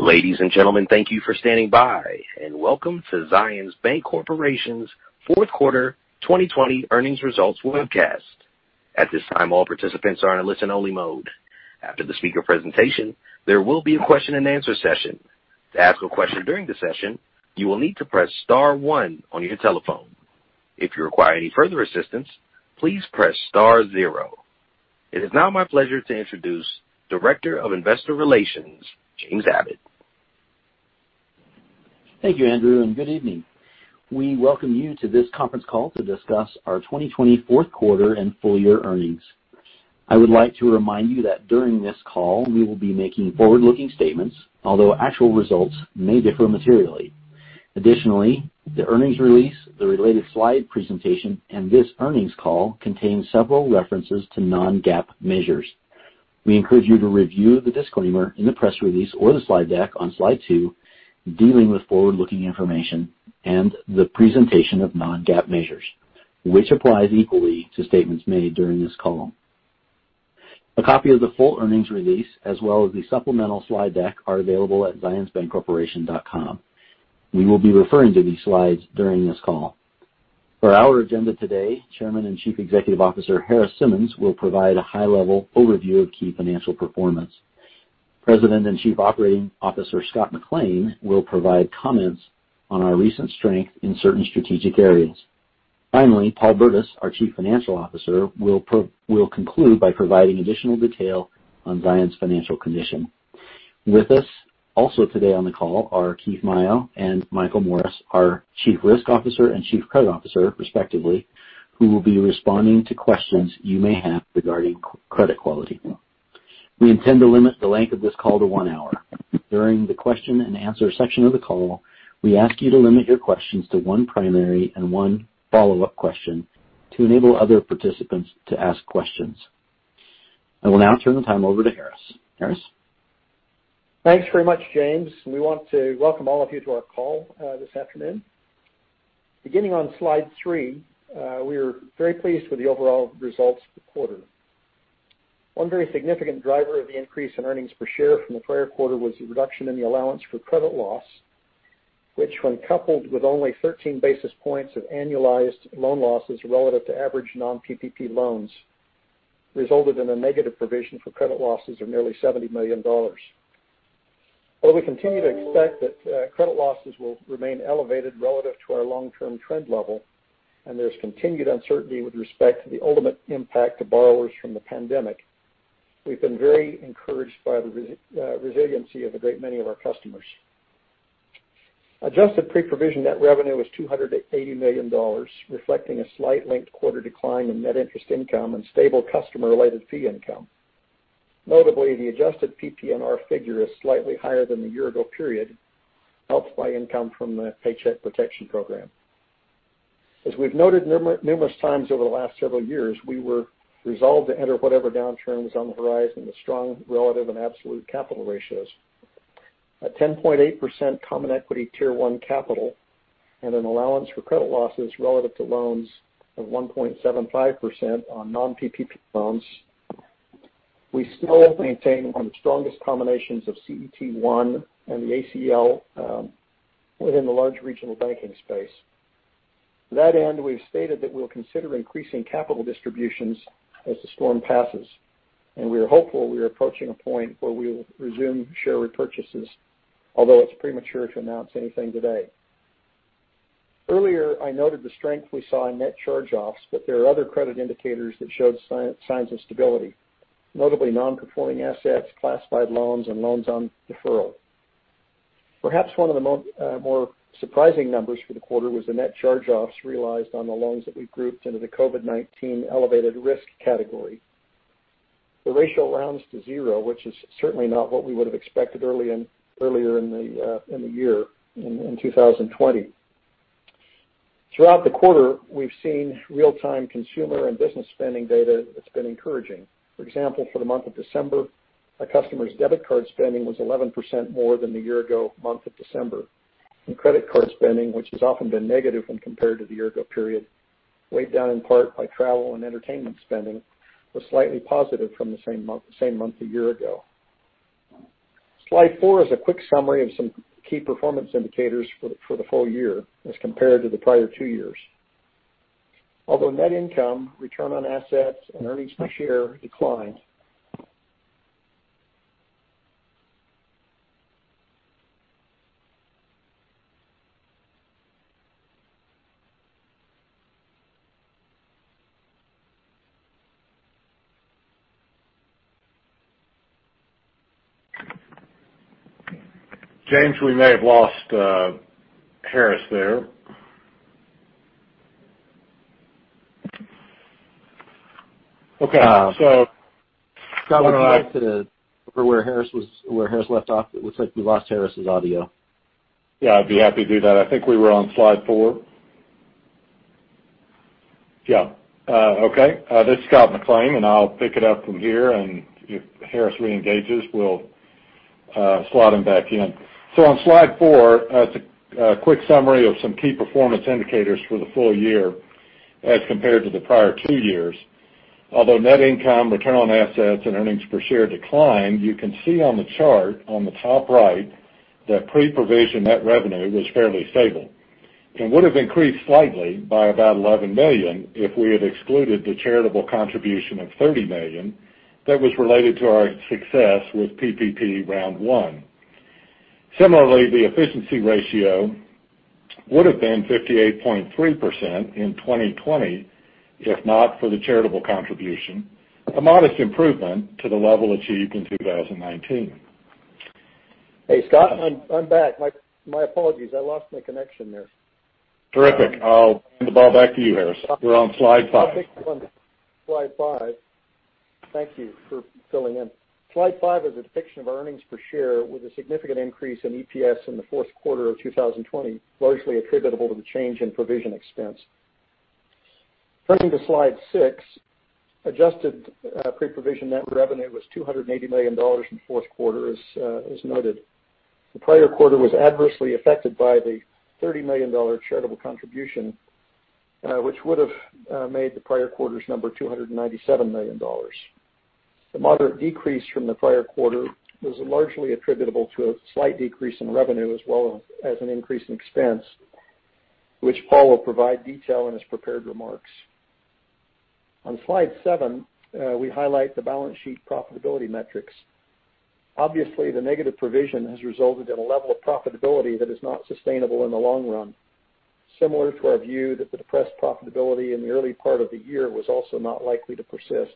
Ladies and gentlemen, thank you for standing by, and welcome to Zions Bancorporation's Fourth Quarter 2020 Earnings Results Webcast. At this time, all participants are in a listen-only mode. After the speaker presentation, there will be a question-and-answer session. To ask a question during the session, you will need to press star one on your telephone. If you require any further assistance, please press star zero. It is now my pleasure to introduce Director of Investor Relations, James Abbott. Thank you, Andrew, good evening. We welcome you to this conference call to discuss our 2020 fourth quarter and full year earnings. I would like to remind you that during this call, we will be making forward-looking statements, although actual results may differ materially. Additionally, the earnings release, the related slide presentation, and this earnings call contain several references to non-GAAP measures. We encourage you to review the disclaimer in the press release or the slide deck on slide two, dealing with forward-looking information and the presentation of non-GAAP measures, which applies equally to statements made during this call. A copy of the full earnings release, as well as the supplemental slide deck, are available at zionsbancorporation.com. We will be referring to these slides during this call. For our agenda today, Chairman and Chief Executive Officer Harris Simmons will provide a high-level overview of key financial performance. President and Chief Operating Officer Scott McLean will provide comments on our recent strength in certain strategic areas. Finally, Paul Burdiss, our Chief Financial Officer, will conclude by providing additional detail on Zions' financial condition. With us also today on the call are Keith Maio and Michael Morris, our Chief Risk Officer and Chief Credit Officer respectively, who will be responding to questions you may have regarding credit quality. We intend to limit the length of this call to one hour. During the question and answer section of the call, we ask you to limit your questions to one primary and one follow-up question to enable other participants to ask questions. I will now turn the time over to Harris. Harris? Thanks very much, James. We want to welcome all of you to our call this afternoon. Beginning on slide three, we are very pleased with the overall results of the quarter. One very significant driver of the increase in earnings per share from the prior quarter was the reduction in the Allowance for Credit Loss, which, when coupled with only 13 basis points of annualized loan losses relative to average non-PPP loans, resulted in a negative provision for credit losses of nearly $70 million. Although we continue to expect that credit losses will remain elevated relative to our long-term trend level, and there's continued uncertainty with respect to the ultimate impact to borrowers from the pandemic, we've been very encouraged by the resiliency of a great many of our customers. Adjusted pre-provision net revenue was $280 million, reflecting a slight linked quarter decline in net interest income and stable customer-related fee income. Notably, the adjusted PPNR figure is slightly higher than the year ago period, helped by income from the Paycheck Protection Program. As we've noted numerous times over the last several years, we were resolved to enter whatever downturn was on the horizon with strong relative and absolute capital ratios. At 10.8% common equity Tier I capital and an allowance for credit losses relative to loans of 1.75% on non-PPP loans, we still maintain one of the strongest combinations of CET1 and the ACL within the large regional banking space. To that end, we've stated that we'll consider increasing capital distributions as the storm passes, and we are hopeful we are approaching a point where we will resume share repurchases, although it's premature to announce anything today. Earlier, I noted the strength we saw in net charge-offs, but there are other credit indicators that showed signs of stability, notably non-performing assets, classified loans, and loans on deferral. Perhaps one of the more surprising numbers for the quarter was the net charge-offs realized on the loans that we've grouped into the COVID-19 elevated risk category. The ratio rounds to zero, which is certainly not what we would've expected earlier in the year, in 2020. Throughout the quarter, we've seen real-time consumer and business spending data that's been encouraging. For example, for the month of December, our customers' debit card spending was 11% more than the year ago month of December. Credit card spending, which has often been negative when compared to the year ago period, weighed down in part by travel and entertainment spending, was slightly positive from the same month a year ago. Slide four is a quick summary of some key performance indicators for the full year as compared to the prior 2 years. Although net income, return on assets, and earnings per share declined. James, we may have lost Harris there. Okay. Scott, would you mind for where Harris left off? It looks like we lost Harris' audio. Yeah, I'd be happy to do that. I think we were on slide four? Yeah. Okay. This is Scott McLean, and I'll pick it up from here, and if Harris reengages, we'll slot him back in. On slide four, it's a quick summary of some key performance indicators for the full year as compared to the prior 2 years. Although net income, return on assets, and earnings per share declined, you can see on the chart on the top right that pre-provision net revenue was fairly stable and would've increased slightly by about $11 million if we had excluded the charitable contribution of $30 million that was related to our success with PPP Round 1. Similarly, the efficiency ratio would've been 58.3% in 2020, if not for the charitable contribution, a modest improvement to the level achieved in 2019. Hey, Scott, I'm back. My apologies. I lost my connection there. Terrific. I'll hand the ball back to you, Harris. We're on slide five. I'll pick it from slide five. Thank you for filling in. Slide five is a depiction of earnings per share with a significant increase in EPS in the fourth quarter of 2020, largely attributable to the change in provision expense. Turning to slide six, adjusted pre-provision net revenue was $280 million in the fourth quarter, as noted. The prior quarter was adversely affected by the $30 million charitable contribution, which would've made the prior quarter's number $297 million. The moderate decrease from the prior quarter was largely attributable to a slight decrease in revenue, as well as an increase in expense, which Paul will provide detail in his prepared remarks. On slide seven, we highlight the balance sheet profitability metrics. Obviously, the negative provision has resulted in a level of profitability that is not sustainable in the long run, similar to our view that the depressed profitability in the early part of the year was also not likely to persist.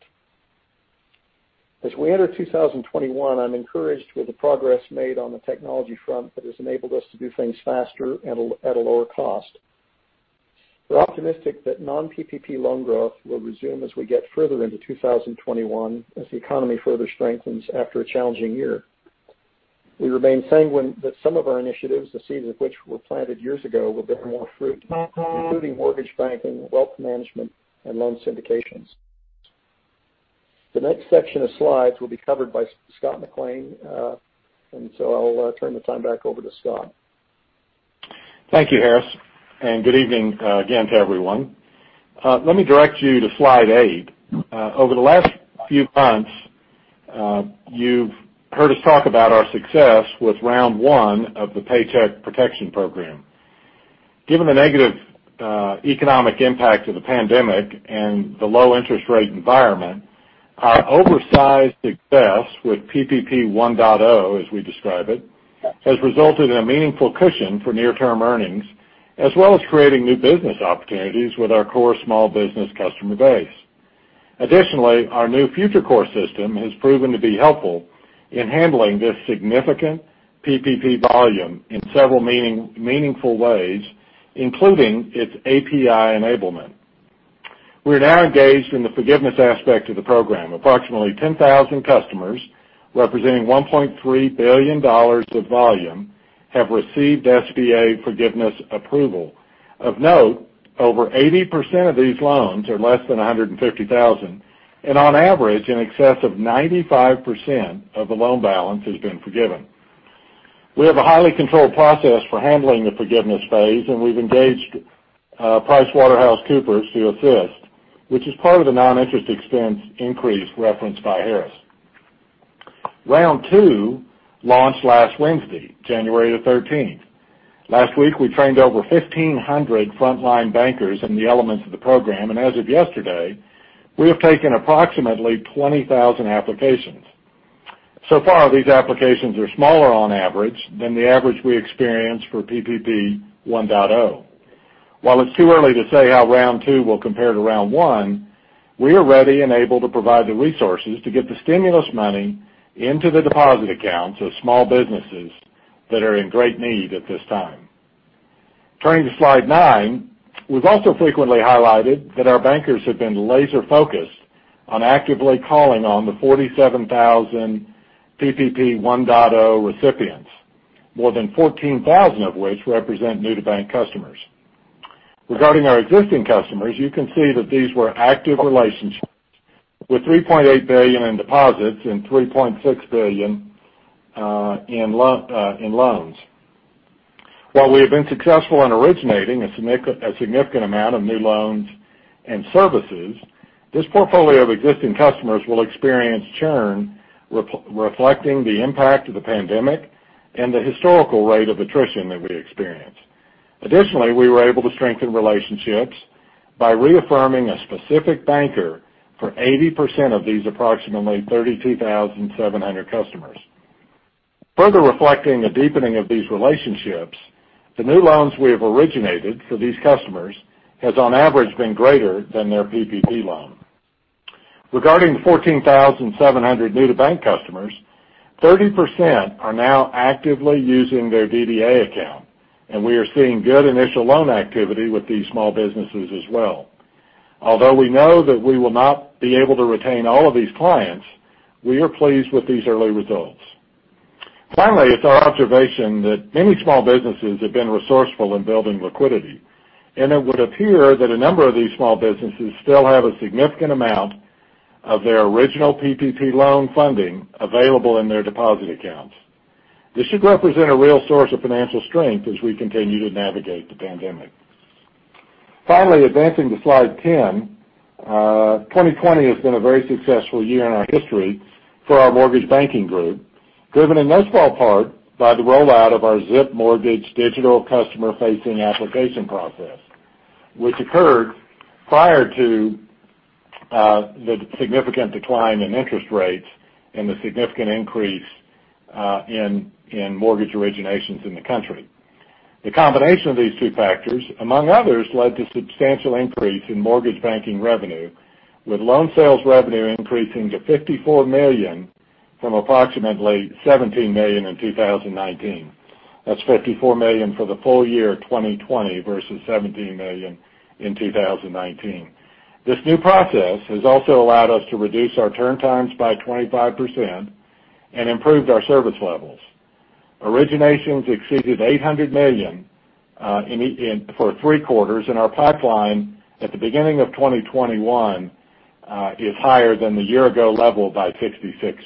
As we enter 2021, I'm encouraged with the progress made on the technology front that has enabled us to do things faster and at a lower cost. We're optimistic that non-PPP loan growth will resume as we get further into 2021, as the economy further strengthens after a challenging year. We remain sanguine that some of our initiatives, the seeds of which were planted years ago, will bear more fruit, including mortgage banking, wealth management, and loan syndications. The next section of slides will be covered by Scott McLean, and so I'll turn the time back over to Scott. Thank you, Harris, and good evening again to everyone. Let me direct you to slide eight. Over the last few months, you've heard us talk about our success with Round 1 of the Paycheck Protection Program. Given the negative economic impact of the pandemic and the low interest rate environment, our oversized success with PPP 1.0, as we describe it, has resulted in a meaningful cushion for near-term earnings, as well as creating new business opportunities with our core small business customer base. Additionally, our new FutureCore system has proven to be helpful in handling this significant PPP volume in several meaningful ways, including its API enablement. We're now engaged in the forgiveness aspect of the program. Approximately 10,000 customers, representing $1.3 billion of volume, have received SBA forgiveness approval. Of note, over 80% of these loans are less than $150,000, and on average, in excess of 95% of the loan balance has been forgiven. We have a highly controlled process for handling the forgiveness phase, and we've engaged PricewaterhouseCoopers to assist, which is part of the non-interest expense increase referenced by Harris. Round 2 launched last Wednesday, January the 13th. Last week, we trained over 1,500 frontline bankers in the elements of the program, and as of yesterday, we have taken approximately 20,000 applications. So far, these applications are smaller on average than the average we experienced for PPP 1.0. While it's too early to say how Round 2 will compare to Round 1, we are ready and able to provide the resources to get the stimulus money into the deposit accounts of small businesses that are in great need at this time. Turning to slide nine, we've also frequently highlighted that our bankers have been laser-focused on actively calling on the 47,000 PPP 1.0 recipients, more than 14,000 of which represent new-to-bank customers. Regarding our existing customers, you can see that these were active relationships, with $3.8 billion in deposits and $3.6 billion in loans. While we have been successful in originating a significant amount of new loans and services, this portfolio of existing customers will experience churn reflecting the impact of the pandemic and the historical rate of attrition that we experience. Additionally, we were able to strengthen relationships by reaffirming a specific banker for 80% of these approximately 32,700 customers. Further reflecting the deepening of these relationships, the new loans we have originated for these customers has, on average, been greater than their PPP loan. Regarding the 14,700 new-to-bank customers, 30% are now actively using their DDA account, and we are seeing good initial loan activity with these small businesses as well. Although we know that we will not be able to retain all of these clients, we are pleased with these early results. Finally, it's our observation that many small businesses have been resourceful in building liquidity, and it would appear that a number of these small businesses still have a significant amount of their original PPP loan funding available in their deposit accounts. This should represent a real source of financial strength as we continue to navigate the pandemic. Advancing to slide 10. 2020 has been a very successful year in our history for our mortgage banking group, driven in most part by the rollout of our Zip Mortgage digital customer-facing application process, which occurred prior to the significant decline in interest rates and the significant increase in mortgage originations in the country. The combination of these two factors, among others, led to substantial increase in mortgage banking revenue, with loan sales revenue increasing to $54 million from approximately $17 million in 2019. That's $54 million for the full year 2020 versus $17 million in 2019. This new process has also allowed us to reduce our turn times by 25% and improved our service levels. Originations exceeded $800 million for three quarters, and our pipeline at the beginning of 2021 is higher than the year ago level by 66%.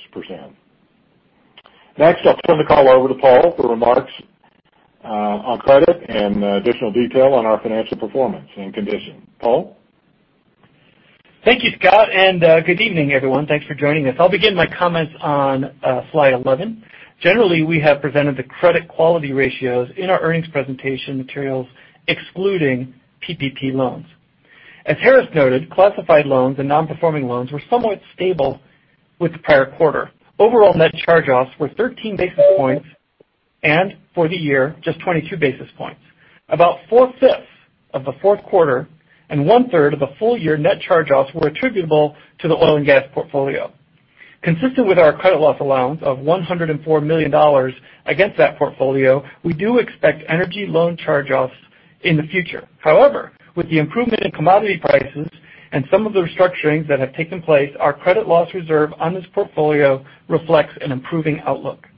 Next, I'll turn the call over to Paul for remarks on credit and additional detail on our financial performance and condition. Paul? Thank you, Scott, and good evening, everyone. Thanks for joining us. I'll begin my comments on slide 11. Generally, we have presented the credit quality ratios in our earnings presentation materials excluding PPP loans. As Harris noted, classified loans and non-performing loans were somewhat stable with the prior quarter. Overall net charge-offs were 13 basis points, and for the year, just 22 basis points. About four-fifths of the fourth quarter and one-third of the full year net charge-offs were attributable to the oil and gas portfolio. Consistent with our credit loss allowance of $104 million against that portfolio, we do expect energy loan charge-offs in the future. However, with the improvement in commodity prices and some of the restructurings that have taken place, our credit loss reserve on this portfolio reflects an improving outlook.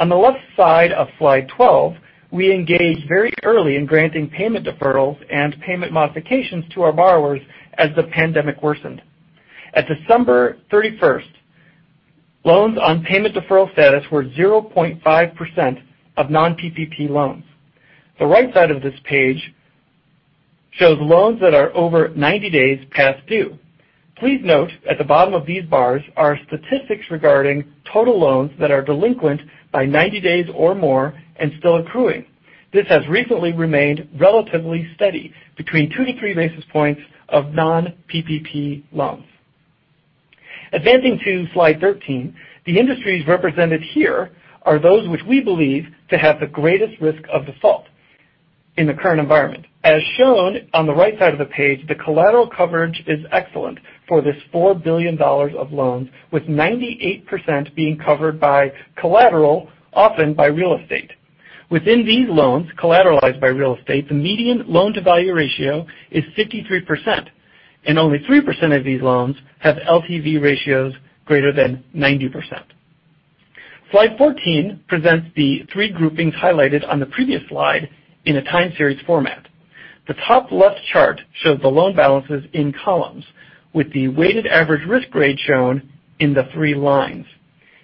On the left side of slide 12, we engaged very early in granting payment deferrals and payment modifications to our borrowers as the pandemic worsened. At December 31st, loans on payment deferral status were 0.5% of non-PPP loans. The right side of this page shows loans that are over 90 days past due. Please note at the bottom of these bars are statistics regarding total loans that are delinquent by 90 days or more and still accruing. This has recently remained relatively steady between 2 basis point to 3 basis points of non-PPP loans. Advancing to slide 13, the industries represented here are those which we believe to have the greatest risk of default in the current environment. As shown on the right side of the page, the collateral coverage is excellent for this $4 billion of loans, with 98% being covered by collateral, often by real estate. Within these loans collateralized by real estate, the median loan-to-value ratio is 53%, and only 3% of these loans have LTV ratios greater than 90%. Slide 14 presents the three groupings highlighted on the previous slide in a time series format. The top left chart shows the loan balances in columns, with the weighted average risk grade shown in the three lines.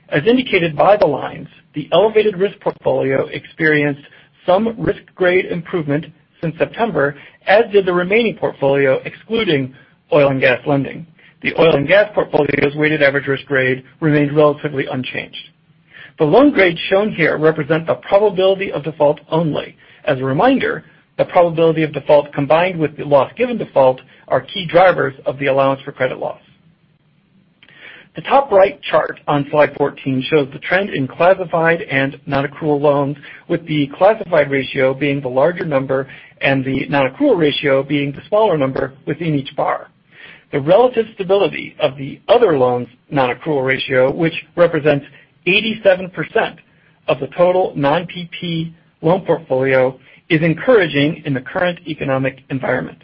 As indicated by the lines, the elevated risk portfolio experienced some risk grade improvement since September, as did the remaining portfolio excluding oil and gas lending. The oil and gas portfolio's weighted average risk grade remained relatively unchanged. The loan grades shown here represent the probability of default only. As a reminder, the probability of default combined with the loss given default are key drivers of the allowance for credit loss. The top right chart on slide 14 shows the trend in classified and non-accrual loans, with the classified ratio being the larger number and the non-accrual ratio being the smaller number within each bar. The relative stability of the other loans' non-accrual ratio, which represents 87% of the total non-PPP loan portfolio, is encouraging in the current economic environment.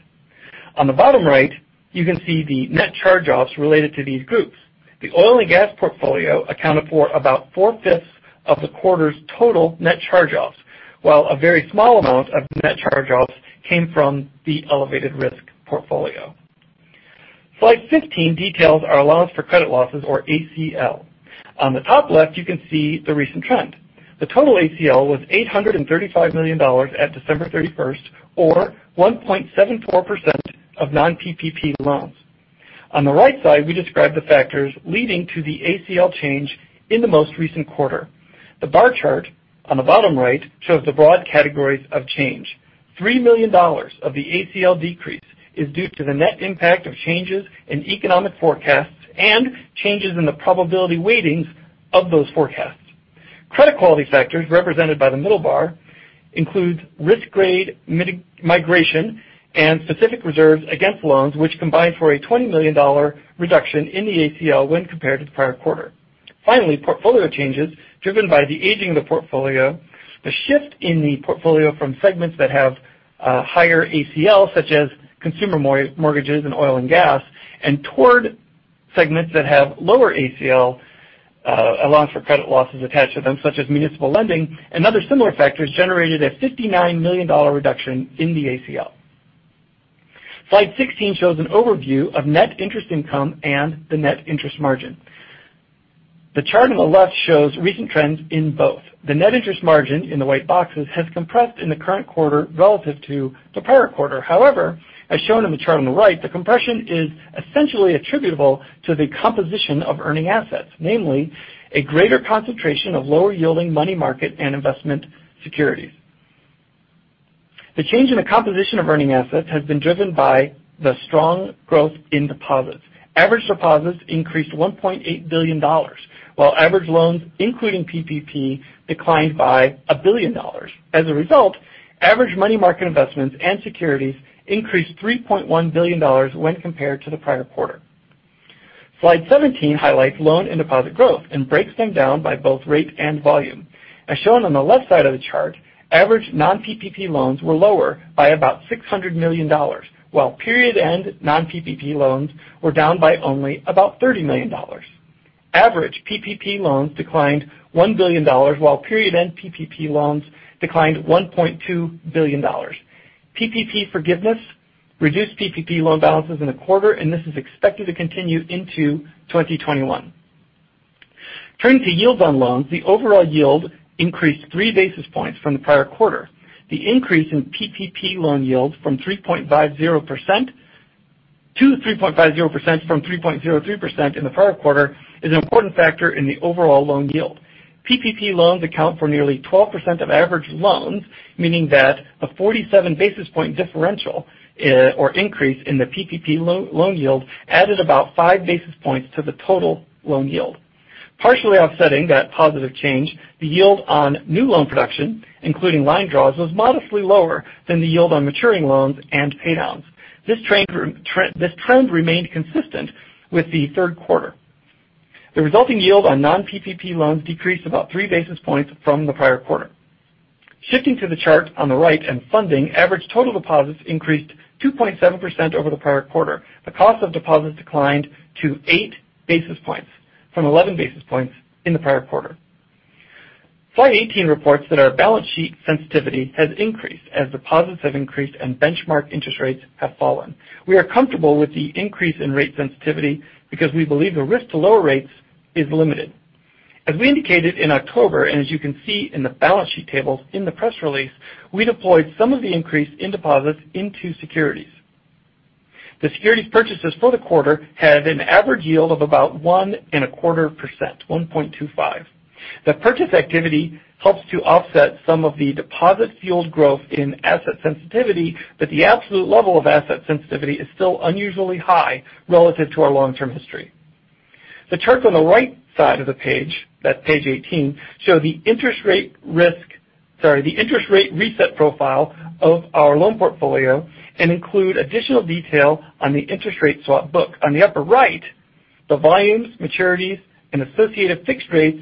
On the bottom right, you can see the net charge-offs related to these groups. The oil and gas portfolio accounted for about 4/5 of the quarter's total net charge-offs, while a very small amount of net charge-offs came from the elevated risk portfolio. Slide 15 details our allowance for credit losses, or ACL. On the top left, you can see the recent trend. The total ACL was $835 million on December 31st, or 1.74% of non-PPP loans. On the right side, we describe the factors leading to the ACL change in the most recent quarter. The bar chart on the bottom right shows the broad categories of change. $3 million of the ACL decrease is due to the net impact of changes in economic forecasts and changes in the probability weightings of those forecasts. Credit quality factors represented by the middle bar includes risk grade migration, and specific reserves against loans, which combine for a $20 million reduction in the ACL when compared to the prior quarter. Finally, portfolio changes driven by the aging of the portfolio, the shift in the portfolio from segments that have higher ACL, such as consumer mortgages and oil and gas, and toward segments that have lower ACL allowance for credit losses attached to them, such as municipal lending and other similar factors, generated a $59 million reduction in the ACL. Slide 16 shows an overview of net interest income and the net interest margin. The chart on the left shows recent trends in both. The net interest margin in the white boxes has compressed in the current quarter relative to the prior quarter. As shown in the chart on the right, the compression is essentially attributable to the composition of earning assets, namely a greater concentration of lower yielding money market and investment securities. The change in the composition of earning assets has been driven by the strong growth in deposits. Average deposits increased $1.8 billion, while average loans, including PPP, declined by $1 billion. As a result, average money market investments and securities increased $3.1 billion when compared to the prior quarter. Slide 17 highlights loan and deposit growth and breaks them down by both rate and volume. As shown on the left side of the chart, average non-PPP loans were lower by about $600 million, while period end non-PPP loans were down by only about $30 million. Average PPP loans declined $1 billion while period end PPP loans declined $1.2 billion. PPP forgiveness reduced PPP loan balances in the quarter. This is expected to continue into 2021. Turning to yields on loans, the overall yield increased 3 basis points from the prior quarter. The increase in PPP loan yields from 3.50% from 3.03% in the prior quarter is an important factor in the overall loan yield. PPP loans account for nearly 12% of average loans, meaning that a 47-basis point differential, or increase in the PPP loan yield added about 5 basis points to the total loan yield. Partially offsetting that positive change, the yield on new loan production, including line draws, was modestly lower than the yield on maturing loans and pay downs. This trend remained consistent with the third quarter. The resulting yield on non-PPP loans decreased about 3 basis points from the prior quarter. Shifting to the chart on the right, funding average total deposits increased 2.7% over the prior quarter. The cost of deposits declined to 8 basis points from 11 basis points in the prior quarter. Slide 18 reports that our balance sheet sensitivity has increased as deposits have increased and benchmark interest rates have fallen. We are comfortable with the increase in rate sensitivity because we believe the risk to lower rates is limited. As we indicated in October, and as you can see in the balance sheet tables in the press release, we deployed some of the increase in deposits into securities. The securities purchases for the quarter had an average yield of about one and a quarter percent, 1.25%. The purchase activity helps to offset some of the deposit-fueled growth in asset sensitivity, but the absolute level of asset sensitivity is still unusually high relative to our long-term history. The chart on the right side of the page, that's page 18, show the interest rate reset profile of our loan portfolio and include additional detail on the interest rate swap book. On the upper right, the volumes, maturities, and associated fixed rates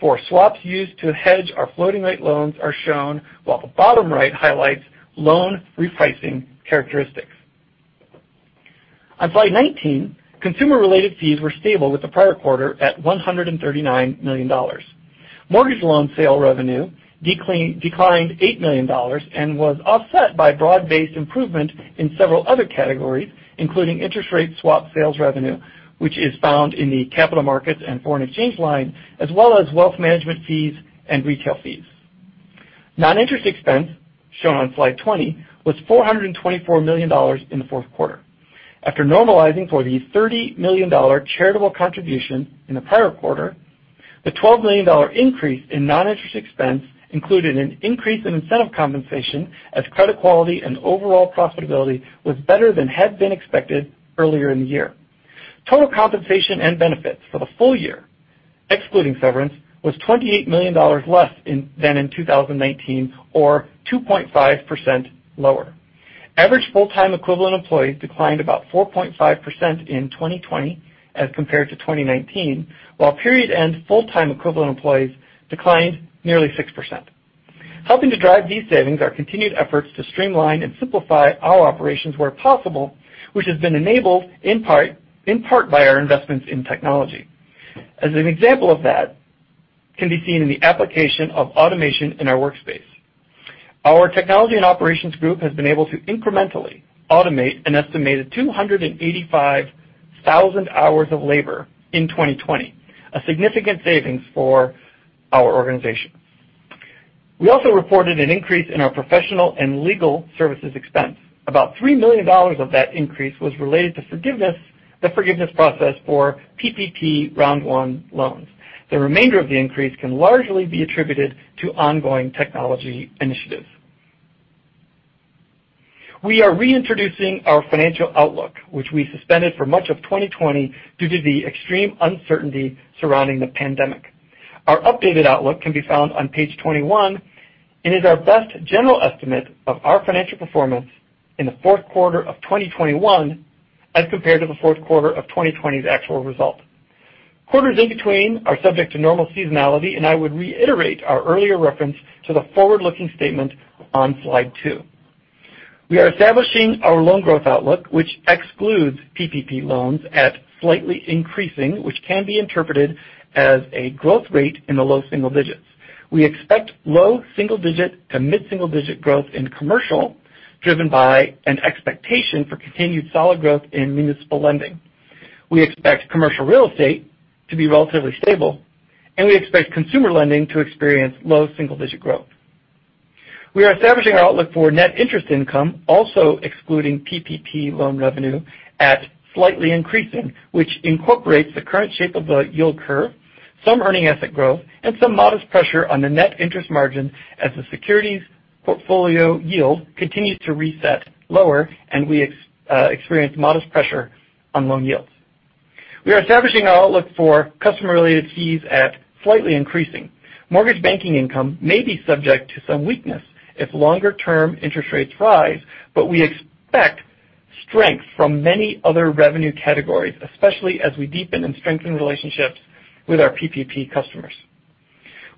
for swaps used to hedge our floating rate loans are shown, while the bottom right highlights loan repricing characteristics. On slide 19, consumer-related fees were stable with the prior quarter at $139 million. Mortgage loan sale revenue declined $8 million and was offset by broad-based improvement in several other categories, including interest rate swap sales revenue, which is found in the capital markets and foreign exchange line, as well as wealth management fees and retail fees. Non-interest expense, shown on slide 20, was $424 million in the fourth quarter. After normalizing for the $30 million charitable contribution in the prior quarter, the $12 million increase in non-interest expense included an increase in incentive compensation as credit quality and overall profitability was better than had been expected earlier in the year. Total compensation and benefits for the full year, excluding severance, was $28 million less than in 2019, or 2.5% lower. Average full-time equivalent employees declined about 4.5% in 2020 as compared to 2019, while period end full-time equivalent employees declined nearly 6%. Helping to drive these savings are continued efforts to streamline and simplify our operations where possible, which has been enabled in part by our investments in technology. An example of that can be seen in the application of automation in our workspace. Our technology and operations group has been able to incrementally automate an estimated 285,000 hours of labor in 2020, a significant savings for our organization. We also reported an increase in our professional and legal services expense. About $3 million of that increase was related to forgiveness, the forgiveness process for PPP round one loans. The remainder of the increase can largely be attributed to ongoing technology initiatives. We are reintroducing our financial outlook, which we suspended for much of 2020 due to the extreme uncertainty surrounding the pandemic. Our updated outlook can be found on page 21 and is our best general estimate of our financial performance in the fourth quarter of 2021 as compared to the fourth quarter of 2020's actual result. Quarters in between are subject to normal seasonality, and I would reiterate our earlier reference to the forward-looking statement on slide two. We are establishing our loan growth outlook, which excludes PPP loans at slightly increasing, which can be interpreted as a growth rate in the low single digits. We expect low double-digit to mid-single-digit growth in commercial, driven by an expectation for continued solid growth in municipal lending. We expect commercial real estate to be relatively stable, and we expect consumer lending to experience low single-digit growth. We are establishing our outlook for net interest income, also excluding PPP loan revenue, at slightly increasing, which incorporates the current shape of the yield curve, some earning asset growth, and some modest pressure on the net interest margin as the securities portfolio yield continues to reset lower and we experience modest pressure on loan yields. We are establishing our outlook for customer-related fees at slightly increasing. Mortgage banking income may be subject to some weakness if longer-term interest rates rise, but we expect strength from many other revenue categories, especially as we deepen and strengthen relationships with our PPP customers.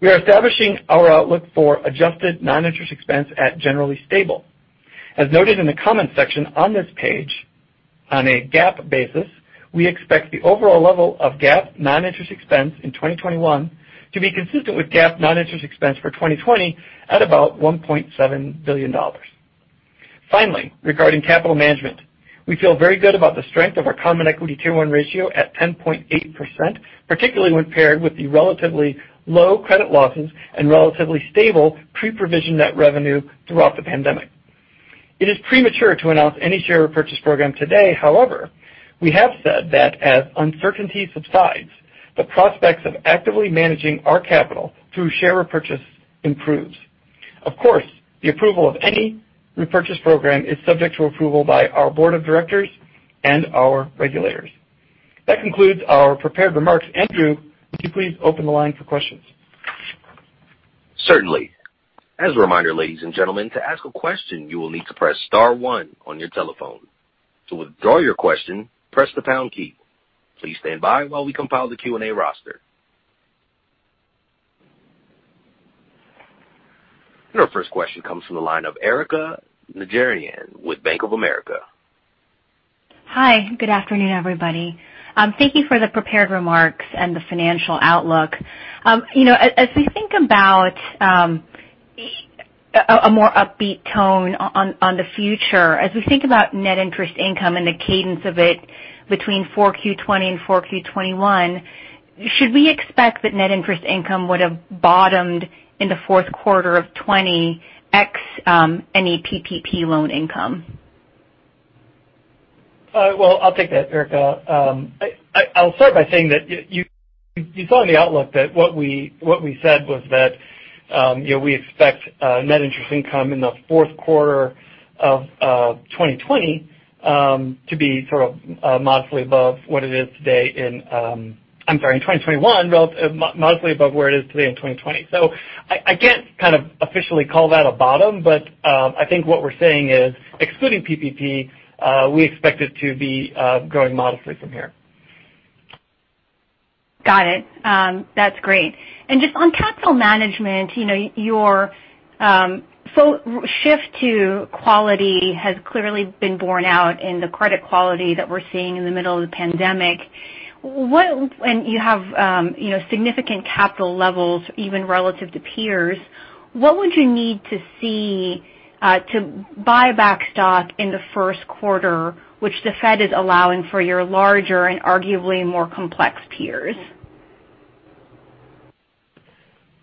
We are establishing our outlook for adjusted non-interest expense at generally stable. As noted in the comments section on this page, on a GAAP basis, we expect the overall level of GAAP non-interest expense in 2021 to be consistent with GAAP non-interest expense for 2020 at about $1.7 billion. Finally, regarding capital management, we feel very good about the strength of our common equity Tier I ratio at 10.8%, particularly when paired with the relatively low credit losses and relatively stable pre-provision net revenue throughout the pandemic. It is premature to announce any share repurchase program today. However, we have said that as uncertainty subsides, the prospects of actively managing our capital through share repurchase improves. Of course, the approval of any repurchase program is subject to approval by our board of directors and our regulators. That concludes our prepared remarks. Andrew, would you please open the line for questions? Certainly. As a reminder, ladies and gentlemen, to ask a question, you will need to press star one on your telephone. To withdraw your question, press the pound key. Please stand by while we compile the Q&A roster. Our first question comes from the line of Erika Najarian with Bank of America. Hi, good afternoon, everybody. Thank you for the prepared remarks and the financial outlook. As we think about a more upbeat tone on the future, as we think about net interest income and the cadence of it between 4Q 2020 and 4Q 2021, should we expect that net interest income would have bottomed in the fourth quarter of 2020 ex any PPP loan income? I'll take that, Erika. I'll start by saying that you saw in the outlook that what we said was that we expect net interest income in the fourth quarter of 2020 to be sort of modestly above what it is today in-- I'm sorry, in 2021, modestly above where it is today in 2020. I can't kind of officially call that a bottom, but I think what we're saying is excluding PPP, we expect it to be growing modestly from here. Got it. That's great. Just on capital management, your shift to quality has clearly been borne out in the credit quality that we're seeing in the middle of the pandemic. You have significant capital levels even relative to peers. What would you need to see to buy back stock in the first quarter, which the Fed is allowing for your larger and arguably more complex peers?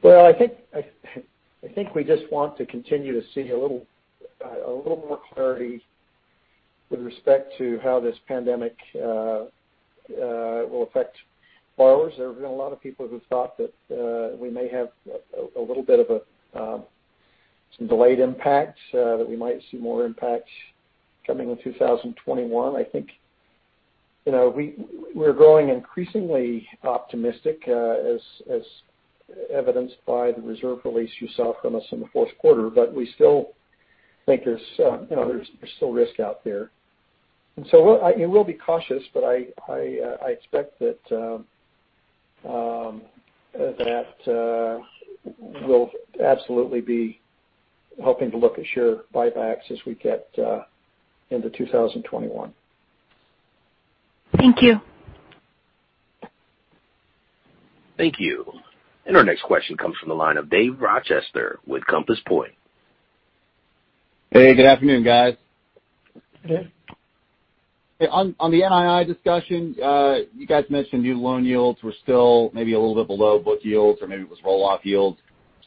Well, I think we just want to continue to see a little more clarity with respect to how this pandemic will affect borrowers. There have been a lot of people who thought that we may have a little bit of some delayed impact, that we might see more impact coming in 2021. I think we're growing increasingly optimistic, as evidenced by the reserve release you saw from us in the fourth quarter, but we still think there's still risk out there. We'll be cautious, but I expect that we'll absolutely be hoping to look at share buybacks as we get into 2021. Thank you. Thank you. Our next question comes from the line of Dave Rochester with Compass Point. Hey, good afternoon, guys. Hey. Hey, on the NII discussion, you guys mentioned new loan yields were still maybe a little bit below book yields or maybe it was roll-off yields.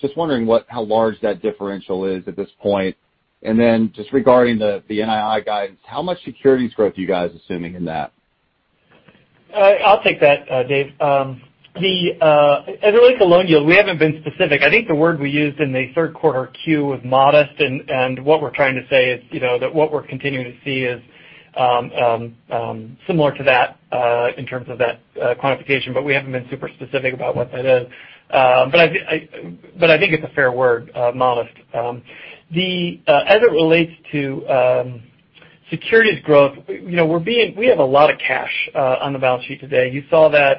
Just wondering how large that differential is at this point. Then just regarding the NII guidance, how much securities growth are you guys assuming in that? I'll take that, Dave. As it relates to loan yield, we haven't been specific. What we're trying to say is that what we're continuing to see is similar to that in terms of that quantification, but we haven't been super specific about what that is. I think it's a fair word, modest. As it relates to securities growth, we have a lot of cash on the balance sheet today. You saw that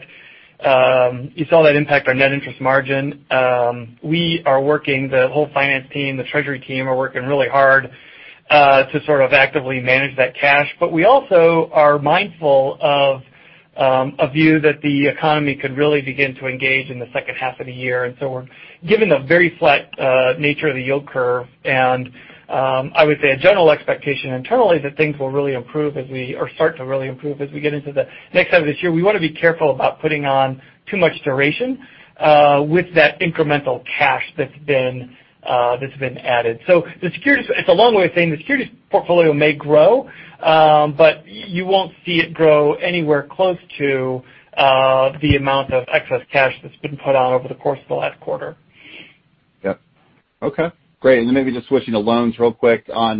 impact our net interest margin. The whole finance team, the treasury team are working really hard to sort of actively manage that cash. We also are mindful of a view that the economy could really begin to engage in the second half of the year. Given the very flat nature of the yield curve, and I would say a general expectation internally that things will really improve as we, or start to really improve as we get into the next half of this year, we want to be careful about putting on too much duration with that incremental cash that's been added. It's a long way of saying the securities portfolio may grow, but you won't see it grow anywhere close to the amount of excess cash that's been put on over the course of the last quarter. Yep. Okay, great. Maybe just switching to loans real quick on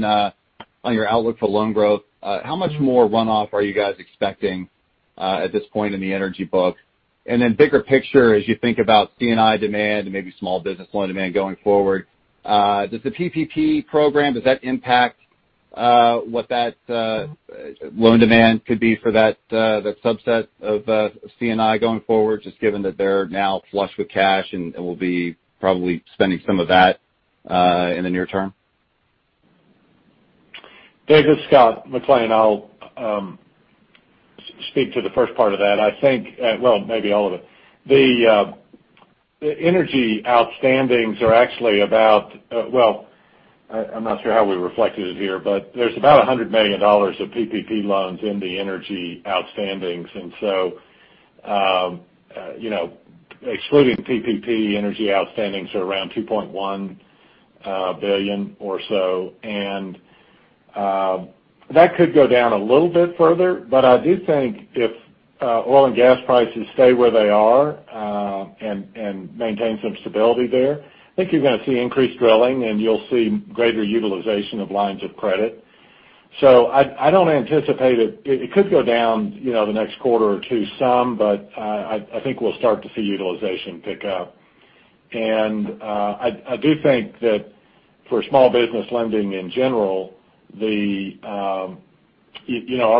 your outlook for loan growth. How much more runoff are you guys expecting at this point in the energy book? Bigger picture, as you think about C&I demand and maybe small business loan demand going forward, does the PPP program, does that impact what that loan demand could be for that subset of C&I going forward, just given that they're now flush with cash and will be probably spending some of that in the near term? Dave, this is Scott McLean. I'll speak to the first part of that. I think, well, maybe all of it. The energy outstandings are actually about, well, I'm not sure how we reflected it here, but there's about $100 million of PPP loans in the energy outstandings. Excluding PPP, energy outstandings are around $2.1 billion or so. That could go down a little bit further. I do think if oil and gas prices stay where they are and maintain some stability there, I think you're going to see increased drilling, and you'll see greater utilization of lines of credit. I don't anticipate it could go down the next quarter or two some, but I think we'll start to see utilization pick up. I do think that for small business lending in general, our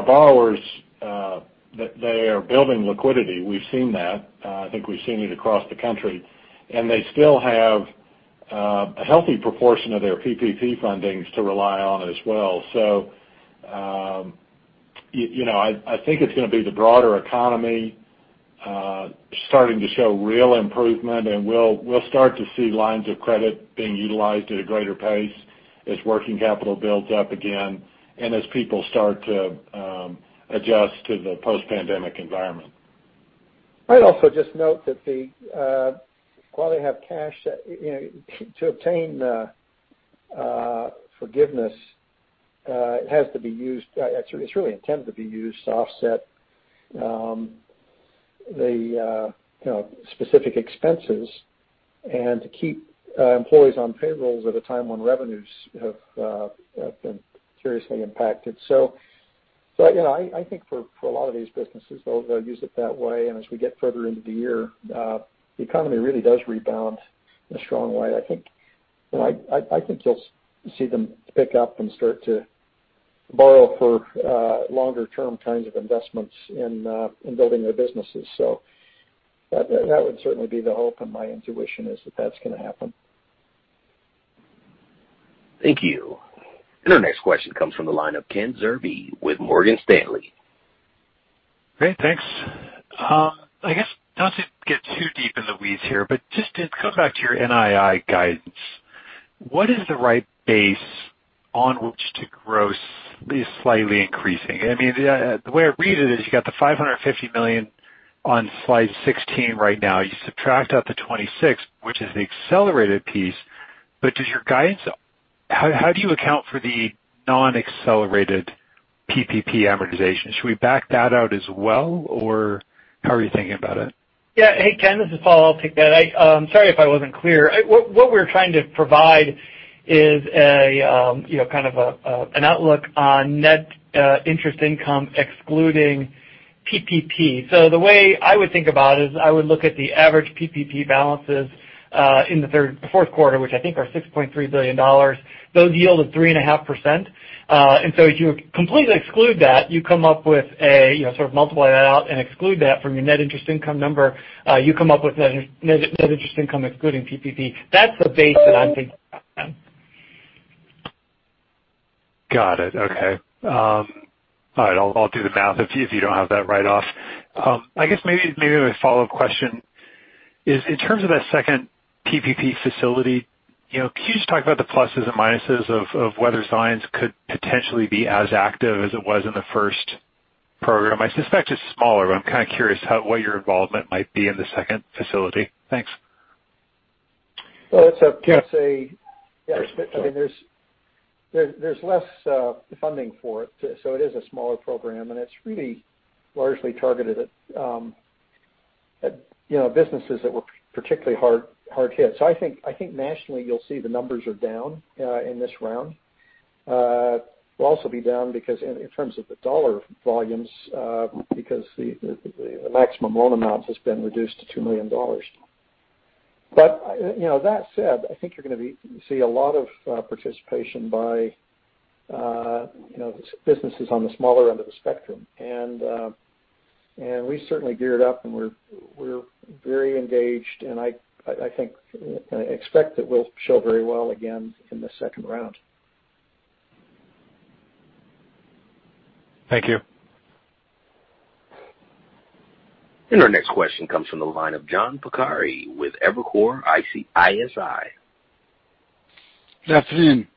borrowers, they are building liquidity. We've seen that. I think we've seen it across the country, and they still have a healthy proportion of their PPP fundings to rely on as well. I think it's going to be the broader economy starting to show real improvement, and we'll start to see lines of credit being utilized at a greater pace as working capital builds up again and as people start to adjust to the post-pandemic environment. I'd also just note that while they have cash to obtain forgiveness, it has to be used, it's really intended to be used to offset the specific expenses and to keep employees on payrolls at a time when revenues have been seriously impacted. I think for a lot of these businesses, they'll use it that way. As we get further into the year, the economy really does rebound in a strong way. I think you'll see them pick up and start to borrow for longer-term kinds of investments in building their businesses. That would certainly be the hope, and my intuition is that that's going to happen. Thank you. Our next question comes from the line of Ken Zerbe with Morgan Stanley. Great. Thanks. I guess not to get too deep in the weeds here, just to come back to your NII guidance, what is the right base on which to grow slightly increasing? The way I read it is you got the $550 million on slide 16 right now. You subtract out the 26, which is the accelerated piece. How do you account for the non-accelerated PPP amortization? Should we back that out as well, or how are you thinking about it? Yeah. Hey, Ken, this is Paul. I'll take that. Sorry if I wasn't clear. What we're trying to provide is kind of an outlook on net interest income excluding PPP. The way I would think about it is I would look at the average PPP balances in the fourth quarter, which I think are $6.3 billion. Those yield at 3.5%. If you completely exclude that, you sort of multiply that out and exclude that from your net interest income number, you come up with net interest income excluding PPP. That's the base that I'm thinking about, Ken. Got it. Okay. All right, I'll do the math if you don't have that right off. I guess maybe my follow-up question is, in terms of that second PPP facility, can you just talk about the pluses and minuses of whether Zions could potentially be as active as it was in the first program? I suspect it's smaller, but I'm kind of curious what your involvement might be in the second facility? Thanks. Well, it's. Yeah. There's less funding for it. It is a smaller program, and it's really largely targeted at businesses that were particularly hard hit. I think nationally, you'll see the numbers are down in this round. Will also be down because in terms of the dollar volumes because the maximum loan amount has been reduced to $2 million. That said, I think you're going to see a lot of participation by businesses on the smaller end of the spectrum. We certainly geared up, and we're very engaged, and I expect that we'll show very well again in the second round. Thank you. Our next question comes from the line of John Pancari with Evercore ISI. Good afternoon.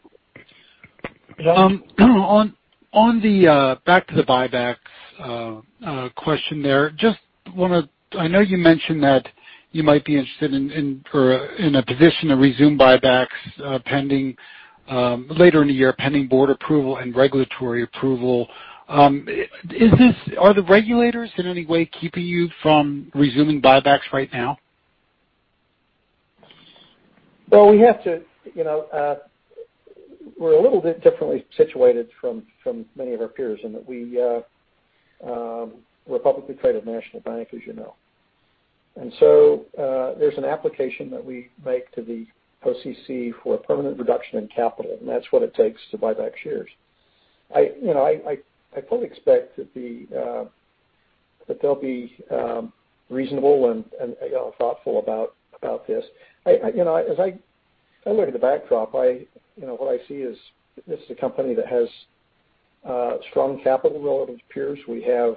Back to the buybacks question there. I know you mentioned that you might be interested in, or are in a position to resume buybacks later in the year pending board approval and regulatory approval. Are the regulators in any way keeping you from resuming buybacks right now? We're a little bit differently situated from many of our peers in that we're a publicly traded national bank, as you know. There's an application that we make to the OCC for a permanent reduction in capital, and that's what it takes to buy back shares. I fully expect that they'll be reasonable and thoughtful about this. As I look at the backdrop, what I see is this is a company that has strong capital relative to peers. We have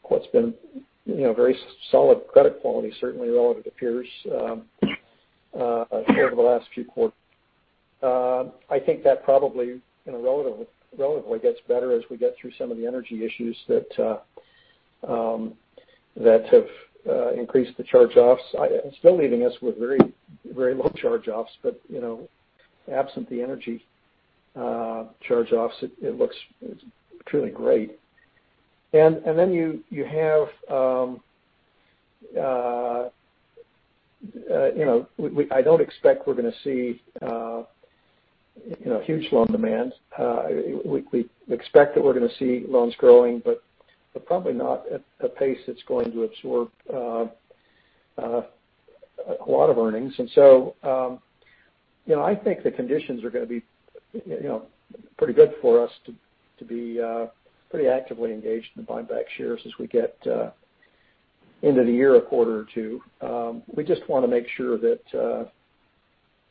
what's been very solid credit quality, certainly relative to peers, over the last few quarters. I think that probably relatively gets better as we get through some of the energy issues that have increased the charge-offs, still leaving us with very low charge-offs. Absent the energy charge-offs, it looks truly great. I don't expect we're going to see huge loan demand. We expect that we're going to see loans growing, but probably not at a pace that's going to absorb a lot of earnings. I think the conditions are going to be pretty good for us to be pretty actively engaged in buying back shares as we get into the year a quarter or two. We just want to make sure that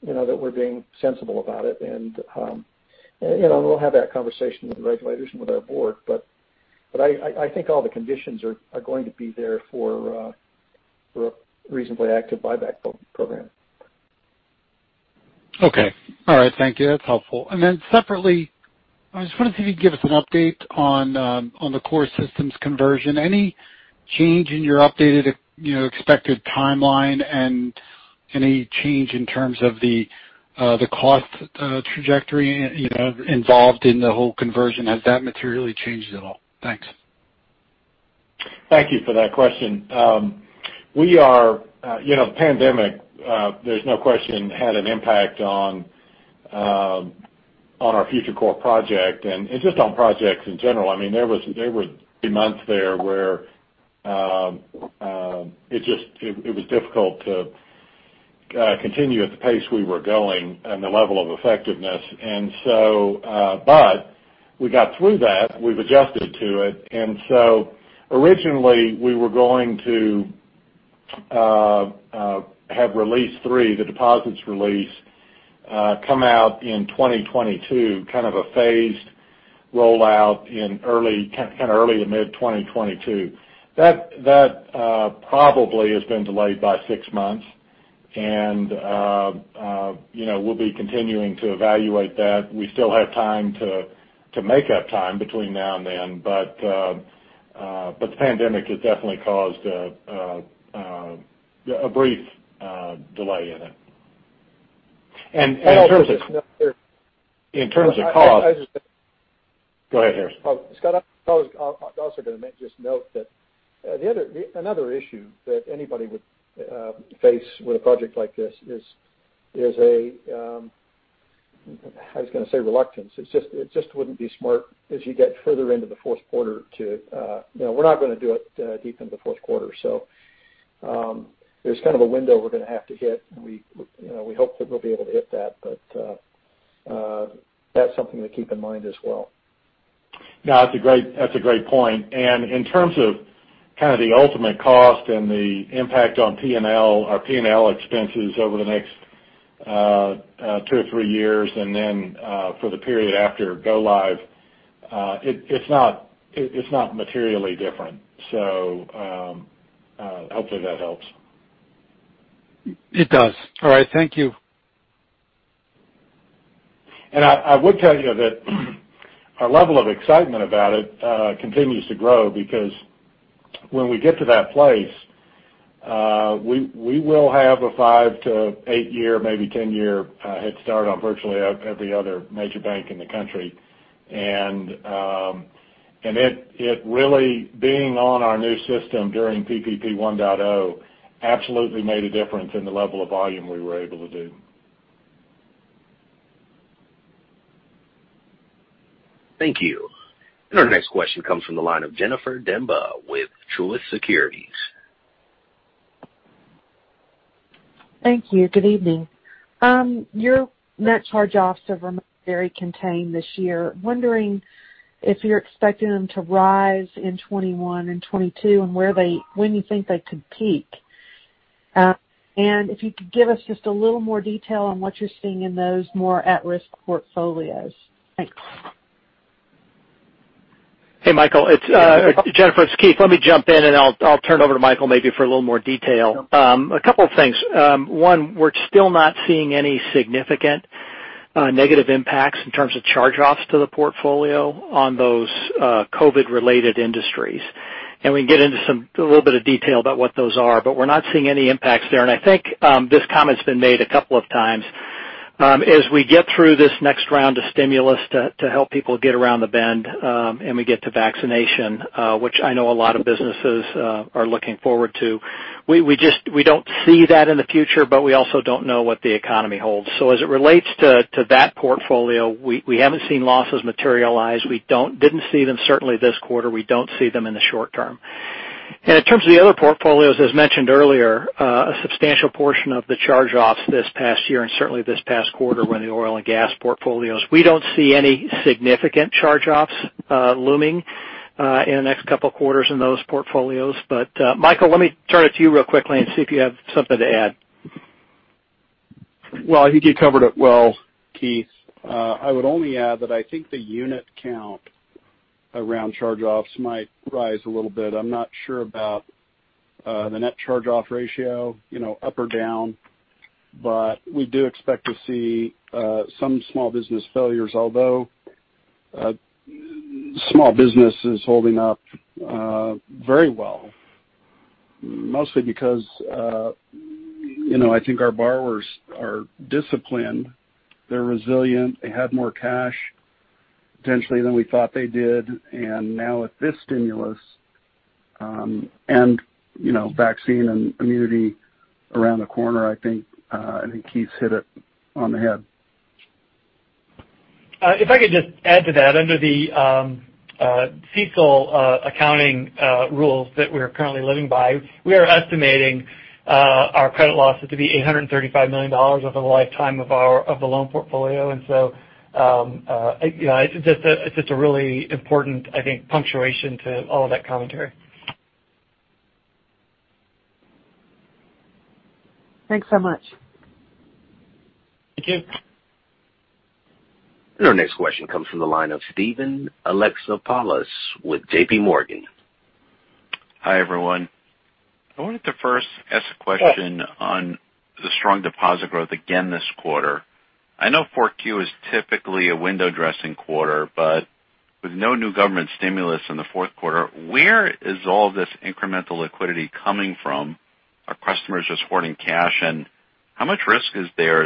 we're being sensible about it, and we'll have that conversation with the regulators and with our board. I think all the conditions are going to be there for a reasonably active buyback program. Okay. All right. Thank you. That's helpful. Separately, I just wondered if you could give us an update on the core systems conversion. Any change in your updated expected timeline and any change in terms of the cost trajectory involved in the whole conversion? Has that materially changed at all? Thanks. Thank you for that question. The pandemic, there's no question, had an impact on our FutureCore project and just on projects in general. There were three months there where it was difficult to continue at the pace we were going and the level of effectiveness. We got through that. We've adjusted to it. Originally, we were going to have release three, the deposits release, come out in 2022, kind of a phased rollout in early to mid-2022. That probably has been delayed by 6 months. We'll be continuing to evaluate that. We still have time to make up time between now and then; the pandemic has definitely caused a brief delay in it. I was just going to- Go ahead, Harris. Scott, I was also going to just note that another issue that anybody would face with a project like this is, I was going to say reluctance. It just wouldn't be smart as you get further into the fourth quarter. We're not going to do it deep into the fourth quarter. There's kind of a window we're going to have to hit, and we hope that we'll be able to hit that. That's something to keep in mind as well. No, that's a great point. In terms of the ultimate cost and the impact on P&L or P&L expenses over the next 2 or 3 years, and then for the period after go live, it's not materially different. Hopefully that helps. It does. All right. Thank you. I would tell you that our level of excitement about it continues to grow because when we get to that place, we will have a 5 year to 8 year, maybe 10-year head start on virtually every other major bank in the country. It really being on our new system during PPP 1.0 absolutely made a difference in the level of volume we were able to do. Thank you. Our next question comes from the line of Jennifer Demba with Truist Securities. Thank you. Good evening. Your net charge-offs have remained very contained this year. Wondering if you're expecting them to rise in 2021 and 2022, and when you think they could peak? If you could give us just a little more detail on what you're seeing in those more at-risk portfolios. Thanks. Hey, Michael, it's Jennifer. It's Keith. Let me jump in, and I'll turn it over to Michael maybe for a little more detail. A couple of things. One, we're still not seeing any significant negative impacts in terms of charge-offs to the portfolio on those COVID-related industries. We can get into a little bit of detail about what those are, but we're not seeing any impacts there. I think this comment's been made a couple of times. As we get through this next round of stimulus to help people get around the bend, and we get to vaccination, which I know a lot of businesses are looking forward to, we don't see that in the future, but we also don't know what the economy holds. As it relates to that portfolio, we haven't seen losses materialize. We didn't see them certainly this quarter. We don't see them in the short term. In terms of the other portfolios, as mentioned earlier, a substantial portion of the charge-offs this past year and certainly this past quarter were in the oil and gas portfolios. We don't see any significant charge-offs looming in the next couple of quarters in those portfolios. Michael, let me turn it to you real quickly and see if you have something to add. Well, I think you covered it well, Keith. I would only add that I think the unit count around charge-offs might rise a little bit. I'm not sure about the net charge-off ratio up or down. We do expect to see some small business failures, although small business is holding up very well, mostly because I think our borrowers are disciplined, they're resilient, they have more cash potentially than we thought they did. Now with this stimulus and vaccine and immunity around the corner, I think Keith's hit it on the head. If I could just add to that. Under the CECL accounting rules that we're currently living by, we are estimating our credit losses to be $835 million over the lifetime of the loan portfolio. It's just a really important, I think, punctuation to all of that commentary. Thanks so much. Thank you. Our next question comes from the line of Steven Alexopoulos with JPMorgan. Hi, everyone. I wanted to first ask a question on the strong deposit growth again this quarter. I know that 4Q is a window dressing quarter but with no new government stimulus in the fourth quarter, where is all this incremental liquidity coming from? Are customers just hoarding cash? How much risk is there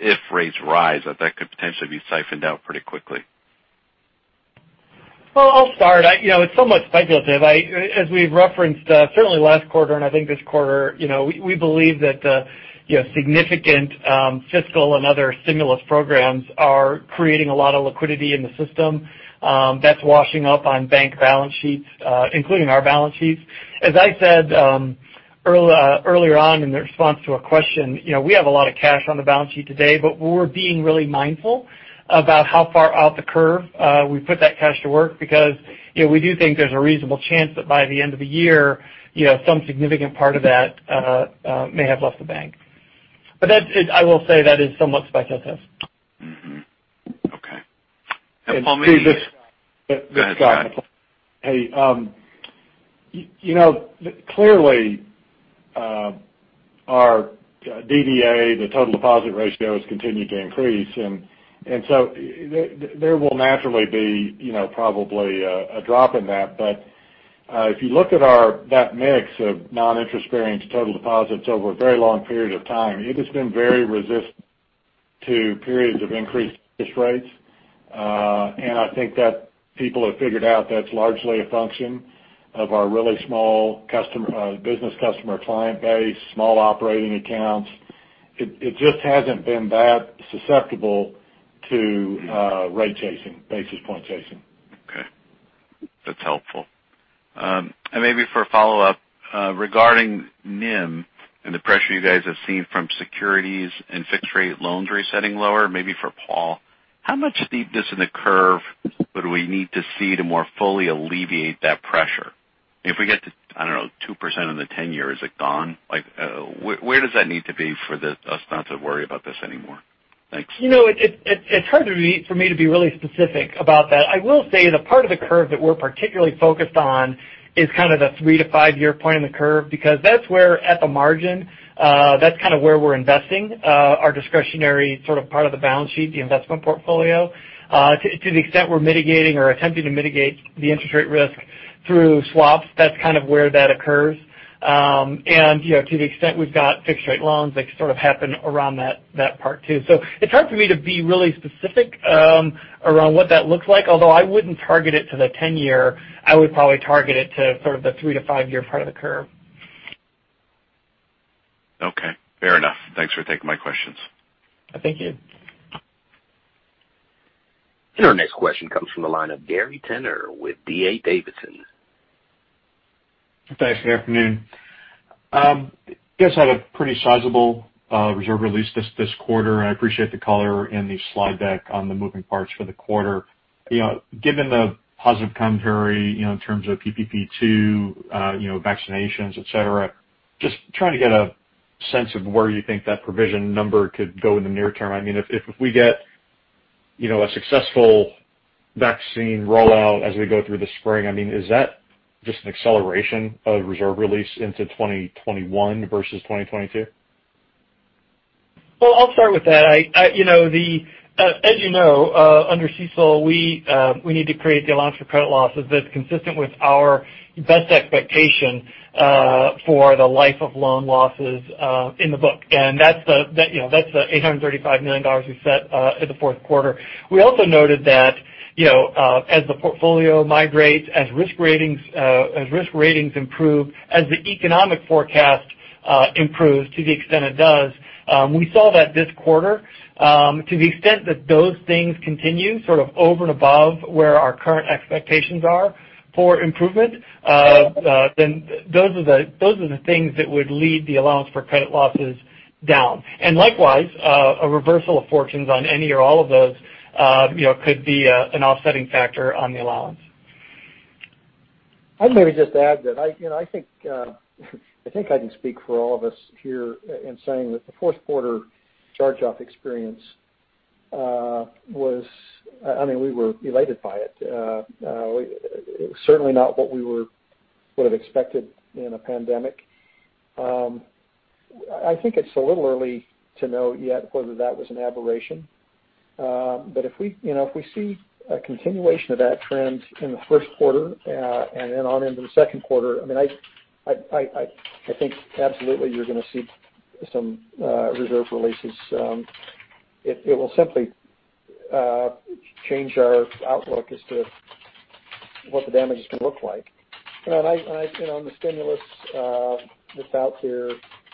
if rates rise that that could potentially be siphoned out pretty quickly? Well, I'll start. It's somewhat speculative. As we've referenced certainly last quarter and I think this quarter, we believe that significant fiscal and other stimulus programs are creating a lot of liquidity in the system. That's washing up on bank balance sheets, including our balance sheets. As I said earlier on in the response to a question, we have a lot of cash on the balance sheet today, but we're being really mindful about how far out the curve we put that cash to work because we do think there's a reasonable chance that by the end of the year some significant part of that may have left the bank. I will say that is somewhat speculative. Okay. Steve. Go ahead, Scott. Hey. Clearly our DDA, the total deposit ratio has continued to increase, and so there will naturally be probably a drop in that. If you look at that mix of non-interest-bearing to total deposits over a very long period of time, it has been very resistant to periods of increased interest rates. I think that people have figured out that's largely a function of our really small business customer client base, small operating accounts. It just hasn't been that susceptible to rate chasing, basis point chasing. Okay. That's helpful. Maybe for a follow-up, regarding NIM and the pressure you guys have seen from securities and fixed rate loans resetting lower, maybe for Paul, how much steepness in the curve would we need to see to more fully alleviate that pressure? If we get to, I don't know, 2% in the 10-year, is it gone? Where does that need to be for us not to worry about this anymore? Thanks. It's hard for me to be really specific about that. I will say the part of the curve that we're particularly focused on is kind of the 3 year to 5 year point in the curve because that's were, at the margin, that's kind of where we're investing our discretionary part of the balance sheet, the investment portfolio. To the extent we're mitigating or attempting to mitigate the interest rate risk through swaps, that's kind of where that occurs. To the extent we've got fixed rate loans, they sort of happen around that part too. It's hard for me to be really specific around what that looks like, although I wouldn't target it to the 10-years. I would probably target it to sort of the 3 year to 5 year part of the curve. Okay. Fair enough. Thanks for taking my questions. Thank you. Our next question comes from the line of Gary Tenner with D.A. Davidson. Thanks. Good afternoon. You guys had a pretty sizable reserve release this quarter. I appreciate the color in the slide deck on the moving parts for the quarter. Given the positive commentary in terms of PPP 2, vaccinations, et cetera, just trying to get a sense of where you think that provision number could go in the near term. If we get a successful vaccine rollout as we go through the spring, is that just an acceleration of reserve release into 2021 versus 2022? Well, I'll start with that. As you know, under CECL, we need to create the allowance for credit losses that's consistent with our best expectation for the life of loan losses in the book. That's the $835 million we set in the fourth quarter. We also noted that as the portfolio migrates, as risk ratings improve, as the economic forecast improves to the extent it does, we saw that this quarter. To the extent that those things continue sort of over and above where our current expectations are for improvement, then those are the things that would lead the allowance for credit losses down. Likewise, a reversal of fortunes on any or all of those could be an offsetting factor on the allowance. I'd maybe just add that I think I can speak for all of us here in saying that the fourth quarter charge-off experience was, we were elated by it. Certainly not what we would've expected in a pandemic. I think it's a little early to know yet whether that was an aberration. But if we see a continuation of that trend in the first quarter and then on into the second quarter, I think absolutely you're going to see some reserve releases. It will simply change our outlook as to what the damage is going to look like. The stimulus that's out there,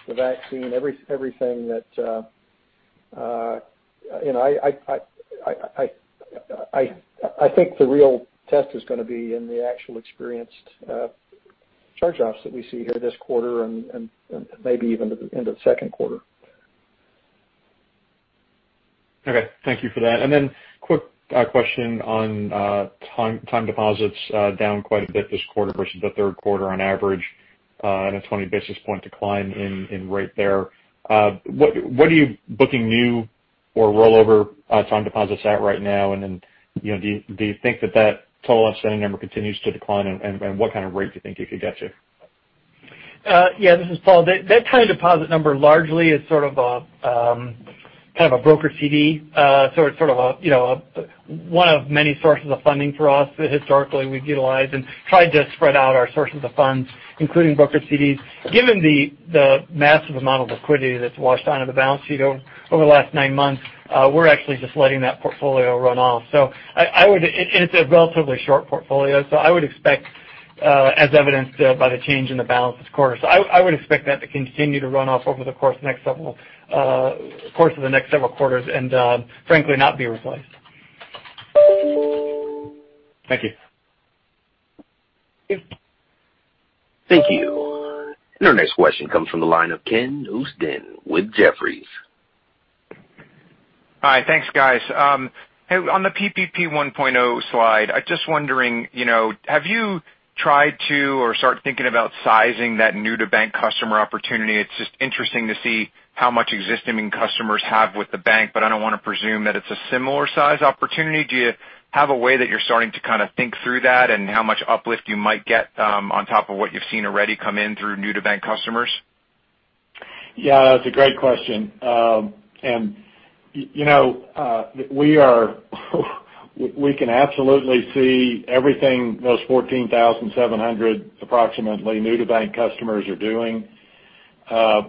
the vaccine. I think the real test is going to be in the actual experienced charge-offs that we see here this quarter and maybe even to the end of the second quarter. Okay. Thank you for that. Quick question on time deposits down quite a bit this quarter versus the third quarter on average, and a 20 basis point decline in rate there. What are you booking new or rollover time deposits at right now? Do you think that total outstanding number continues to decline, and what kind of rate do you think you could get to? Yeah, this is Paul. That time deposit number largely is sort of a broker CD. It's one of many sources of funding for us that historically we've utilized and tried to spread out our sources of funds, including broker CDs. Given the massive amount of liquidity that's washed onto the balance sheet over the last 9 months, we're actually just letting that portfolio run off. It's a relatively short portfolio, as evidenced by the change in the balance this quarter, so I would expect that to continue to run off over the course of the next several quarters and, frankly, not be replaced. Thank you. Thank you. Our next question comes from the line of Ken Usdin with Jefferies. Hi. Thanks, guys. Hey, on the PPP 1.0 slide, I'm just wondering, have you tried to or start thinking about sizing that new-to-bank customer opportunity? It's just interesting to see how much existing customers have with the bank, but I don't want to presume that it's a similar size opportunity. Do you have a way that you're starting to kind of think through that and how much uplift you might get on top of what you've seen already come in through new-to-bank customers? Yeah, that's a great question. We can absolutely see everything those 14,700 approximately new-to-bank customers are doing.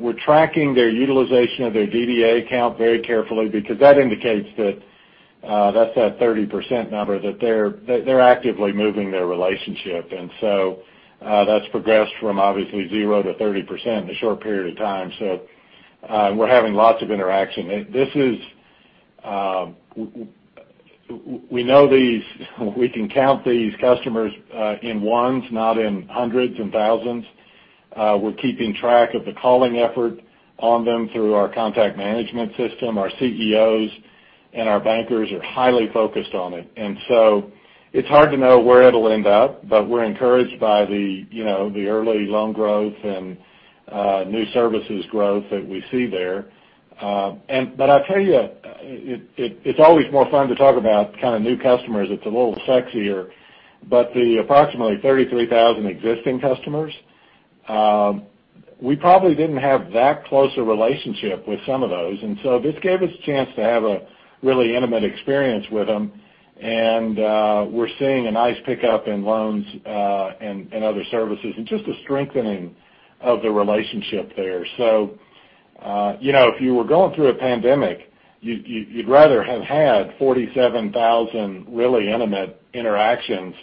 We're tracking their utilization of their DDA account very carefully because that indicates that's that 30% number that they're actively moving their relationship. That's progressed from obviously zero to 30% in a short period of time. We're having lots of interaction. We know these we can count these customers in ones, not in hundreds and thousands. We're keeping track of the calling effort on them through our contact management system. Our CEOs and our bankers are highly focused on it. It's hard to know where it'll end up, but we're encouraged by the early loan growth and new services growth that we see there. I tell you, it's always more fun to talk about kind of new customers. It's a little sexier. The approximately 33,000 existing customers, we probably didn't have that close a relationship with some of those. This gave us a chance to have a really intimate experience with them, and we're seeing a nice pickup in loans and other services and just a strengthening of the relationship there. If you were going through a pandemic, you'd rather have had 47,000 really intimate interactions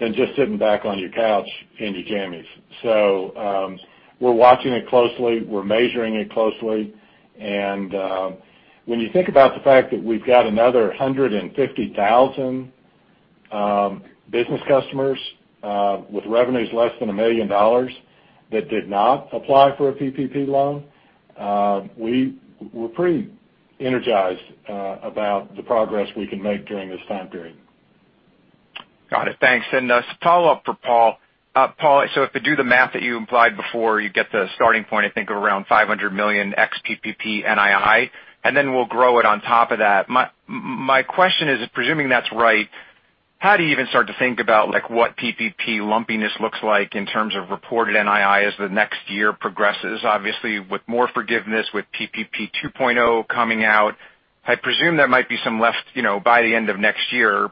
than just sitting back on your couch in your jammies. We're watching it closely. We're measuring it closely. When you think about the fact that we've got another 150,000 business customers with revenues less than $1 million that did not apply for a PPP loan. We're pretty energized about the progress we can make during this time period. Got it. Thanks. A follow-up for Paul. Paul, if I do the math that you implied before, you get the starting point, I think, of around $500 million ex-PPP NII, then we'll grow it on top of that. My question is, presuming that's right, how do you even start to think about what PPP lumpiness looks like in terms of reported NII as the next year progresses? Obviously, with more forgiveness, with PPP 2.0 coming out, I presume there might be some left by the end of next year.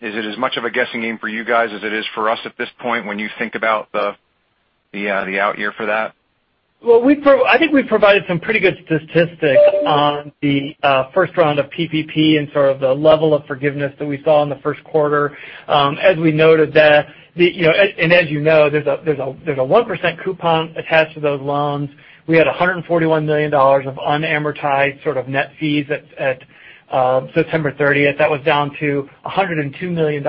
Is it as much of a guessing game for you guys as it is for us at this point when you think about the out year for that? I think we've provided some pretty good statistics on the first round of PPP and sort of the level of forgiveness that we saw in the first quarter. As we noted that, and as you know, there's a 1% coupon attached to those loans. We had $141 million of unamortized sort of net fees at September 30th. That was down to $102 million,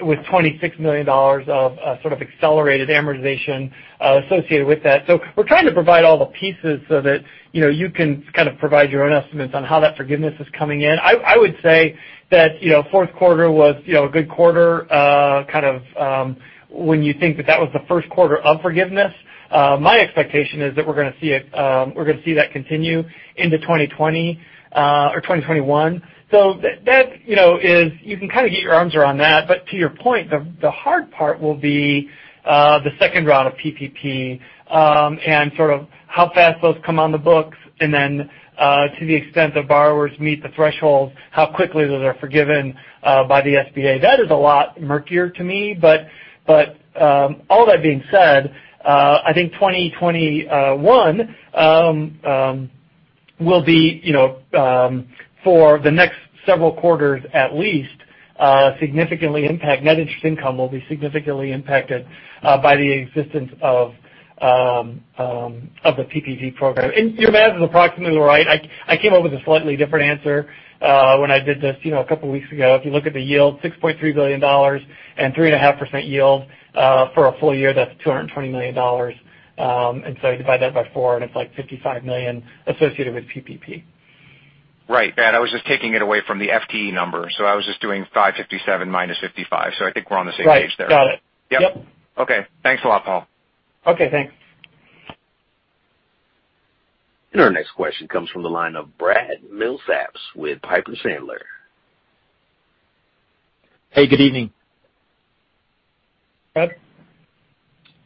with $26 million of sort of accelerated amortization associated with that. We're trying to provide all the pieces so that you can kind of provide your own estimates on how that forgiveness is coming in. I would say that fourth quarter was a good quarter, kind of when you think that that was the first quarter of forgiveness. My expectation is that we're going to see that continue into 2020 or 2021. You can kind of get your arms around that. To your point, the hard part will be the second round of PPP, and sort of how fast those come on the books. To the extent that borrowers meet the thresholds, how quickly those are forgiven by the SBA. That is a lot murkier to me, but all that being said, I think 2021 will be for the next several quarters at least, net interest income will be significantly impacted by the existence of the PPP program. Your math is approximately right. I came up with a slightly different answer when I did this a couple of weeks ago. If you look at the yield, $6.3 billion and 3.5% yield for a full year, that's $220 million. You divide that by four, and it's like $55 million associated with PPP. Right. I was just taking it away from the FTE number. I was just doing $557 million minus $55 million. I think we're on the same page there. Right. Got it. Yep. Yep. Okay. Thanks a lot, Paul. Okay, thanks. Our next question comes from the line of Brad Milsaps with Piper Sandler. Hey, good evening. Brad.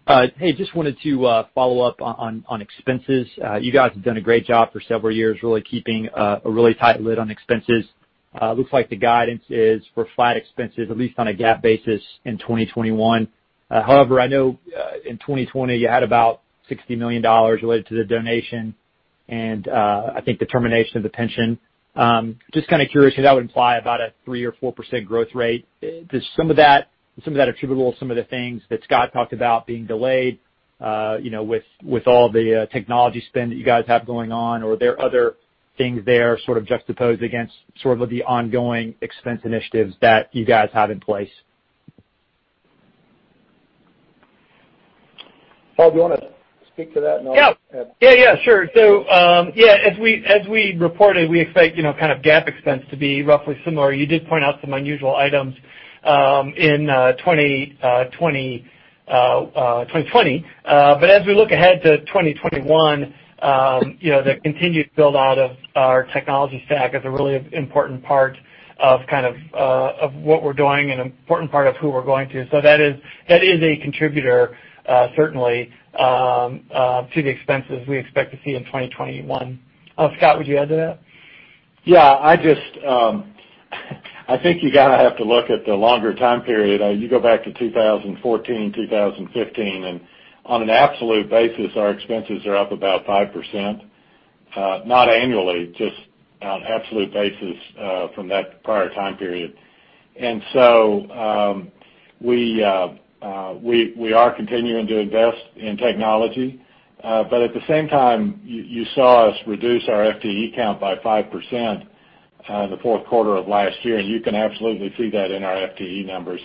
Hey, just wanted to follow up on expenses. You guys have done a great job for several years, really keeping a really tight lid on expenses. Looks like the guidance is for flat expenses, at least on a GAAP basis in 2021. However, I know in 2020, you had about $60 million related to the donation and I think the termination of the pension. Just kind of curious because that would imply about a 3% or 4% growth rate. Does some of that attributable to some of the things that Scott talked about being delayed with all the technology spend that you guys have going on, or are there other things there sort of juxtaposed against sort of the ongoing expense initiatives that you guys have in place? Paul, do you want to speak to that and I'll add? Yeah. Sure. As we reported, we expect kind of GAAP expense to be roughly similar. You did point out some unusual items in 2020. As we look ahead to 2021, the continued build-out of our technology stack is a really important part of what we're doing and an important part of who we're going to. That is a contributor certainly to the expenses we expect to see in 2021. Scott, would you add to that? I think you got to have to look at the longer time period. You go back to 2014, 2015, and on an absolute basis, our expenses are up about 5%. Not annually, just on an absolute basis from that prior time period. We are continuing to invest in technology. At the same time, you saw us reduce our FTE count by 5% in the fourth quarter of last year, and you can absolutely see that in our FTE numbers.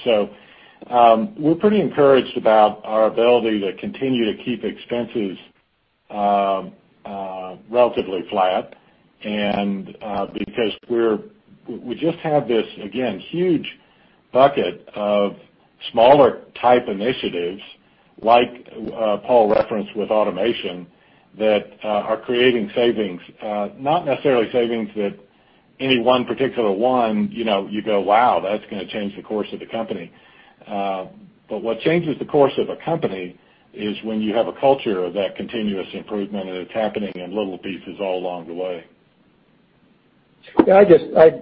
We're pretty encouraged about our ability to continue to keep expenses relatively flat because we just have this, again, huge bucket of smaller type initiatives, like Paul referenced with automation, that are creating savings. Not necessarily savings that any one particular one, you go, "Wow, that's going to change the course of the company." What changes the course of a company is when you have a culture of that continuous improvement, and it's happening in little pieces all along the way.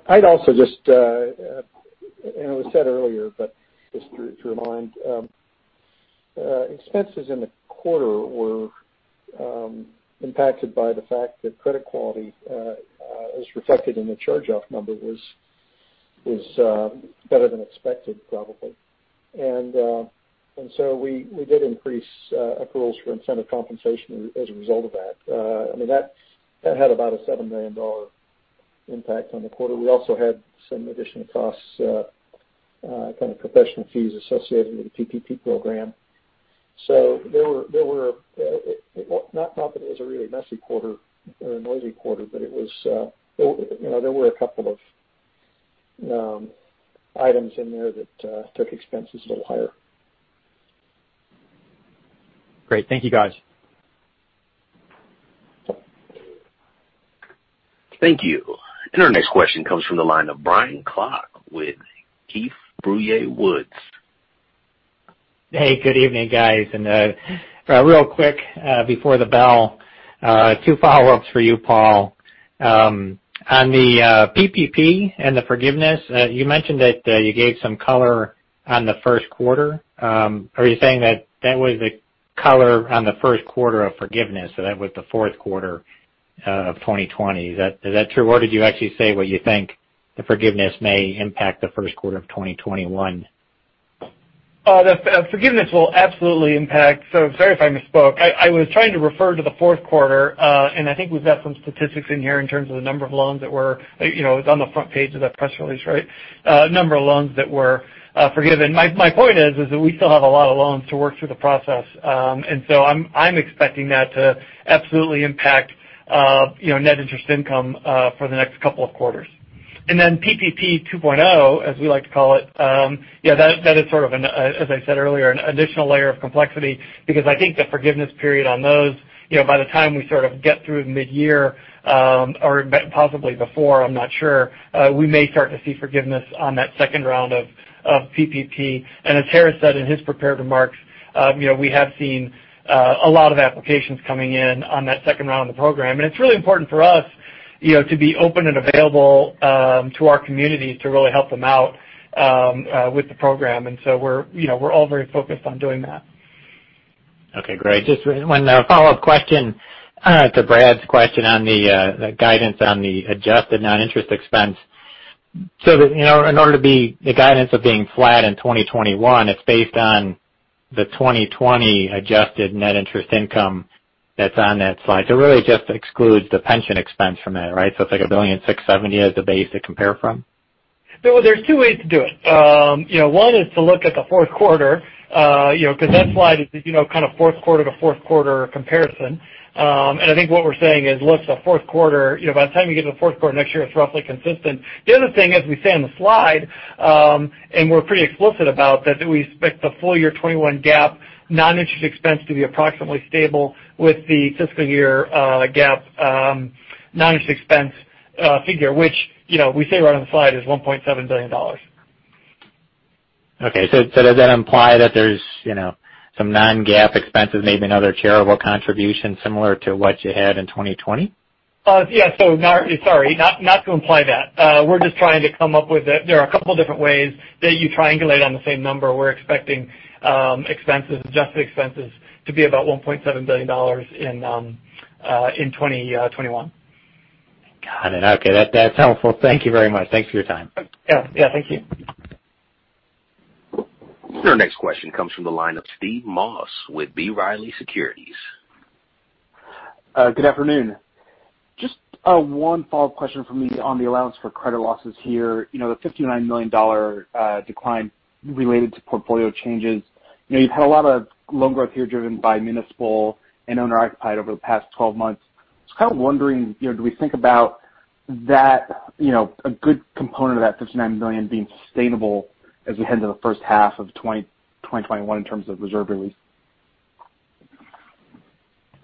I'd also just-- and it was said earlier, but just to remind. Expenses in the quarter were impacted by the fact that credit quality, as reflected in the charge-off number, was better than expected, probably. We did increase approvals for incentive compensation as a result of that. I mean, that had about a $7 million impact on the quarter. We also had some additional costs, kind of professional fees associated with the PPP program. Not confident it was a really messy quarter or a noisy quarter, but there were a couple of items in there that took expenses a little higher. Great. Thank you, guys. Thank you. Our next question comes from the line of Brian Clarke with Keefe, Bruyette & Woods. Hey, good evening, guys. Real quick, before the bell, two follow-ups for you, Paul. On the PPP and the forgiveness, you mentioned that you gave some color on the first quarter. Are you saying that was the color on the first quarter of forgiveness, so that was the fourth quarter of 2020? Is that true, or did you actually say what you think the forgiveness may impact the first quarter of 2021? The forgiveness will absolutely impact. Sorry if I misspoke. I was trying to refer to the fourth quarter, and I think we've got some statistics in here in terms of the number of loans that were on the front page of that press release, right? Number of loans that were forgiven. My point is that we still have a lot of loans to work through the process. I'm expecting that to absolutely impact net interest income for the next couple of quarters. PPP 2.0, as we like to call it, that is sort of, as I said earlier, an additional layer of complexity because I think the forgiveness period on those by the time we sort of get through mid-year, or possibly before, I'm not sure, we may start to see forgiveness on that second round of PPP. As Harris said in his prepared remarks, we have seen a lot of applications coming in on that second round of the program. It's really important for us to be open and available to our communities to really help them out with the program. We're all very focused on doing that. Okay, great. Just one follow-up question to Brad's question on the guidance on the adjusted non-interest expense. In order to be the guidance of being flat in 2021, it's based on the 2020 adjusted non-interest income that's on that slide. It really just excludes the pension expense from that, right? It's like $1.67 billion as a base to compare from? There's two ways to do it. One is to look at the fourth quarter because that slide is kind of fourth quarter to fourth quarter comparison. I think what we're saying is, look, by the time you get to the fourth quarter next year, it's roughly consistent. The other thing, as we say on the slide, and we're pretty explicit about, that we expect the full year 2021 GAAP non-interest expense to be approximately stable with the fiscal year GAAP non-interest expense figure, which we say right on the slide is $1.7 billion. Okay. Does that imply that there's some non-GAAP expenses, maybe another charitable contribution similar to what you had in 2020? Yeah. Sorry, not to imply that. We're just trying to come up with it. There are a couple different ways that you triangulate on the same number. We're expecting adjusted expenses to be about $1.7 billion in 2021. Got it. Okay, that's helpful. Thank you very much. Thanks for your time. Yeah. Thank you. Your next question comes from the line of Steve Moss with B. Riley Securities. Good afternoon. Just one follow-up question from me on the allowance for credit losses here. The $59 million decline related to portfolio changes. You've had a lot of loan growth here driven by municipal and owner-occupied over the past 12 months. Just kind of wondering, do we think about that, a good component of that $59 million being sustainable as we head into the first half of 2021 in terms of reserve release?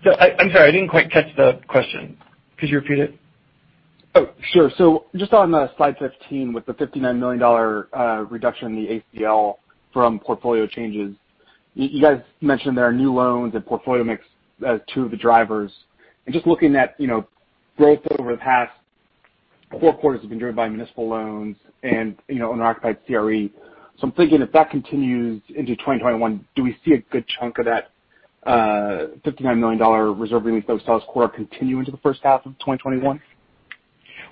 I'm sorry, I didn't quite catch the question. Could you repeat it? Oh, sure. Just on slide 15 with the $59 million reduction in the ACL from portfolio changes. You guys mentioned there are new loans and portfolio mix as two of the drivers. Just looking at growth over the past four quarters has been driven by municipal loans and owner-occupied CRE. I'm thinking if that continues into 2021, do we see a good chunk of that $59 million reserve release those dollars quarter continue into the first half of 2021?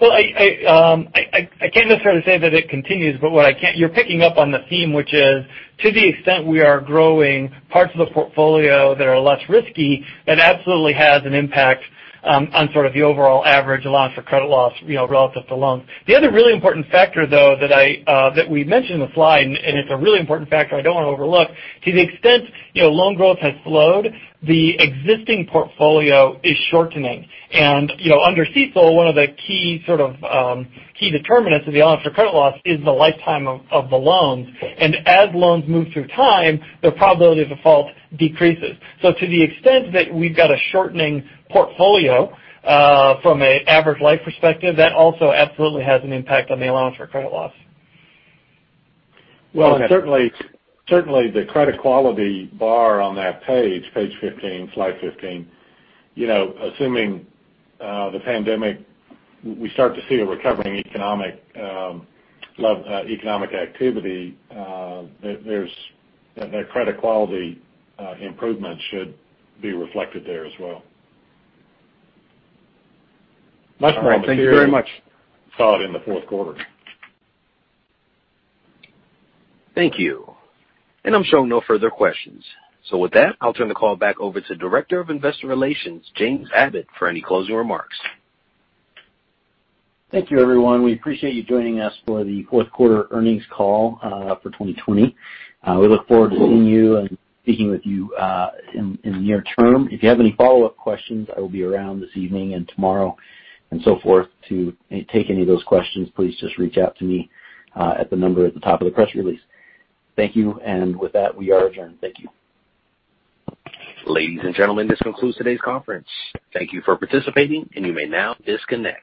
I can't necessarily say that it continues, but you're picking up on the theme, which is to the extent we are growing parts of the portfolio that are less risky, that absolutely has an impact on sort of the overall average allowance for credit loss relative to loans. The other really important factor, though, that we mentioned in the slide, and it's a really important factor I don't want to overlook. To the extent loan growth has slowed, the existing portfolio is shortening. Under CECL, one of the key determinants of the allowance for credit loss is the lifetime of the loans. As loans move through time, the probability of default decreases. To the extent that we've got a shortening portfolio from an average life perspective, that also absolutely has an impact on the allowance for credit loss. Certainly the credit quality bar on that page 15, slide 15, assuming the pandemic, we start to see a recovering economic activity, that credit quality improvement should be reflected there as well. All right. Thank you very much. Saw it in the fourth quarter. Thank you. I'm showing no further questions. With that, I'll turn the call back over to Director of Investor Relations, James Abbott, for any closing remarks. Thank you, everyone. We appreciate you joining us for the fourth quarter earnings call for 2020. We look forward to seeing you and speaking with you in the near term. If you have any follow-up questions, I will be around this evening and tomorrow and so forth to take any of those questions. Please just reach out to me at the number at the top of the press release. Thank you. With that, we are adjourned. Thank you. Ladies and gentlemen, this concludes today's conference. Thank you for participating, and you may now disconnect.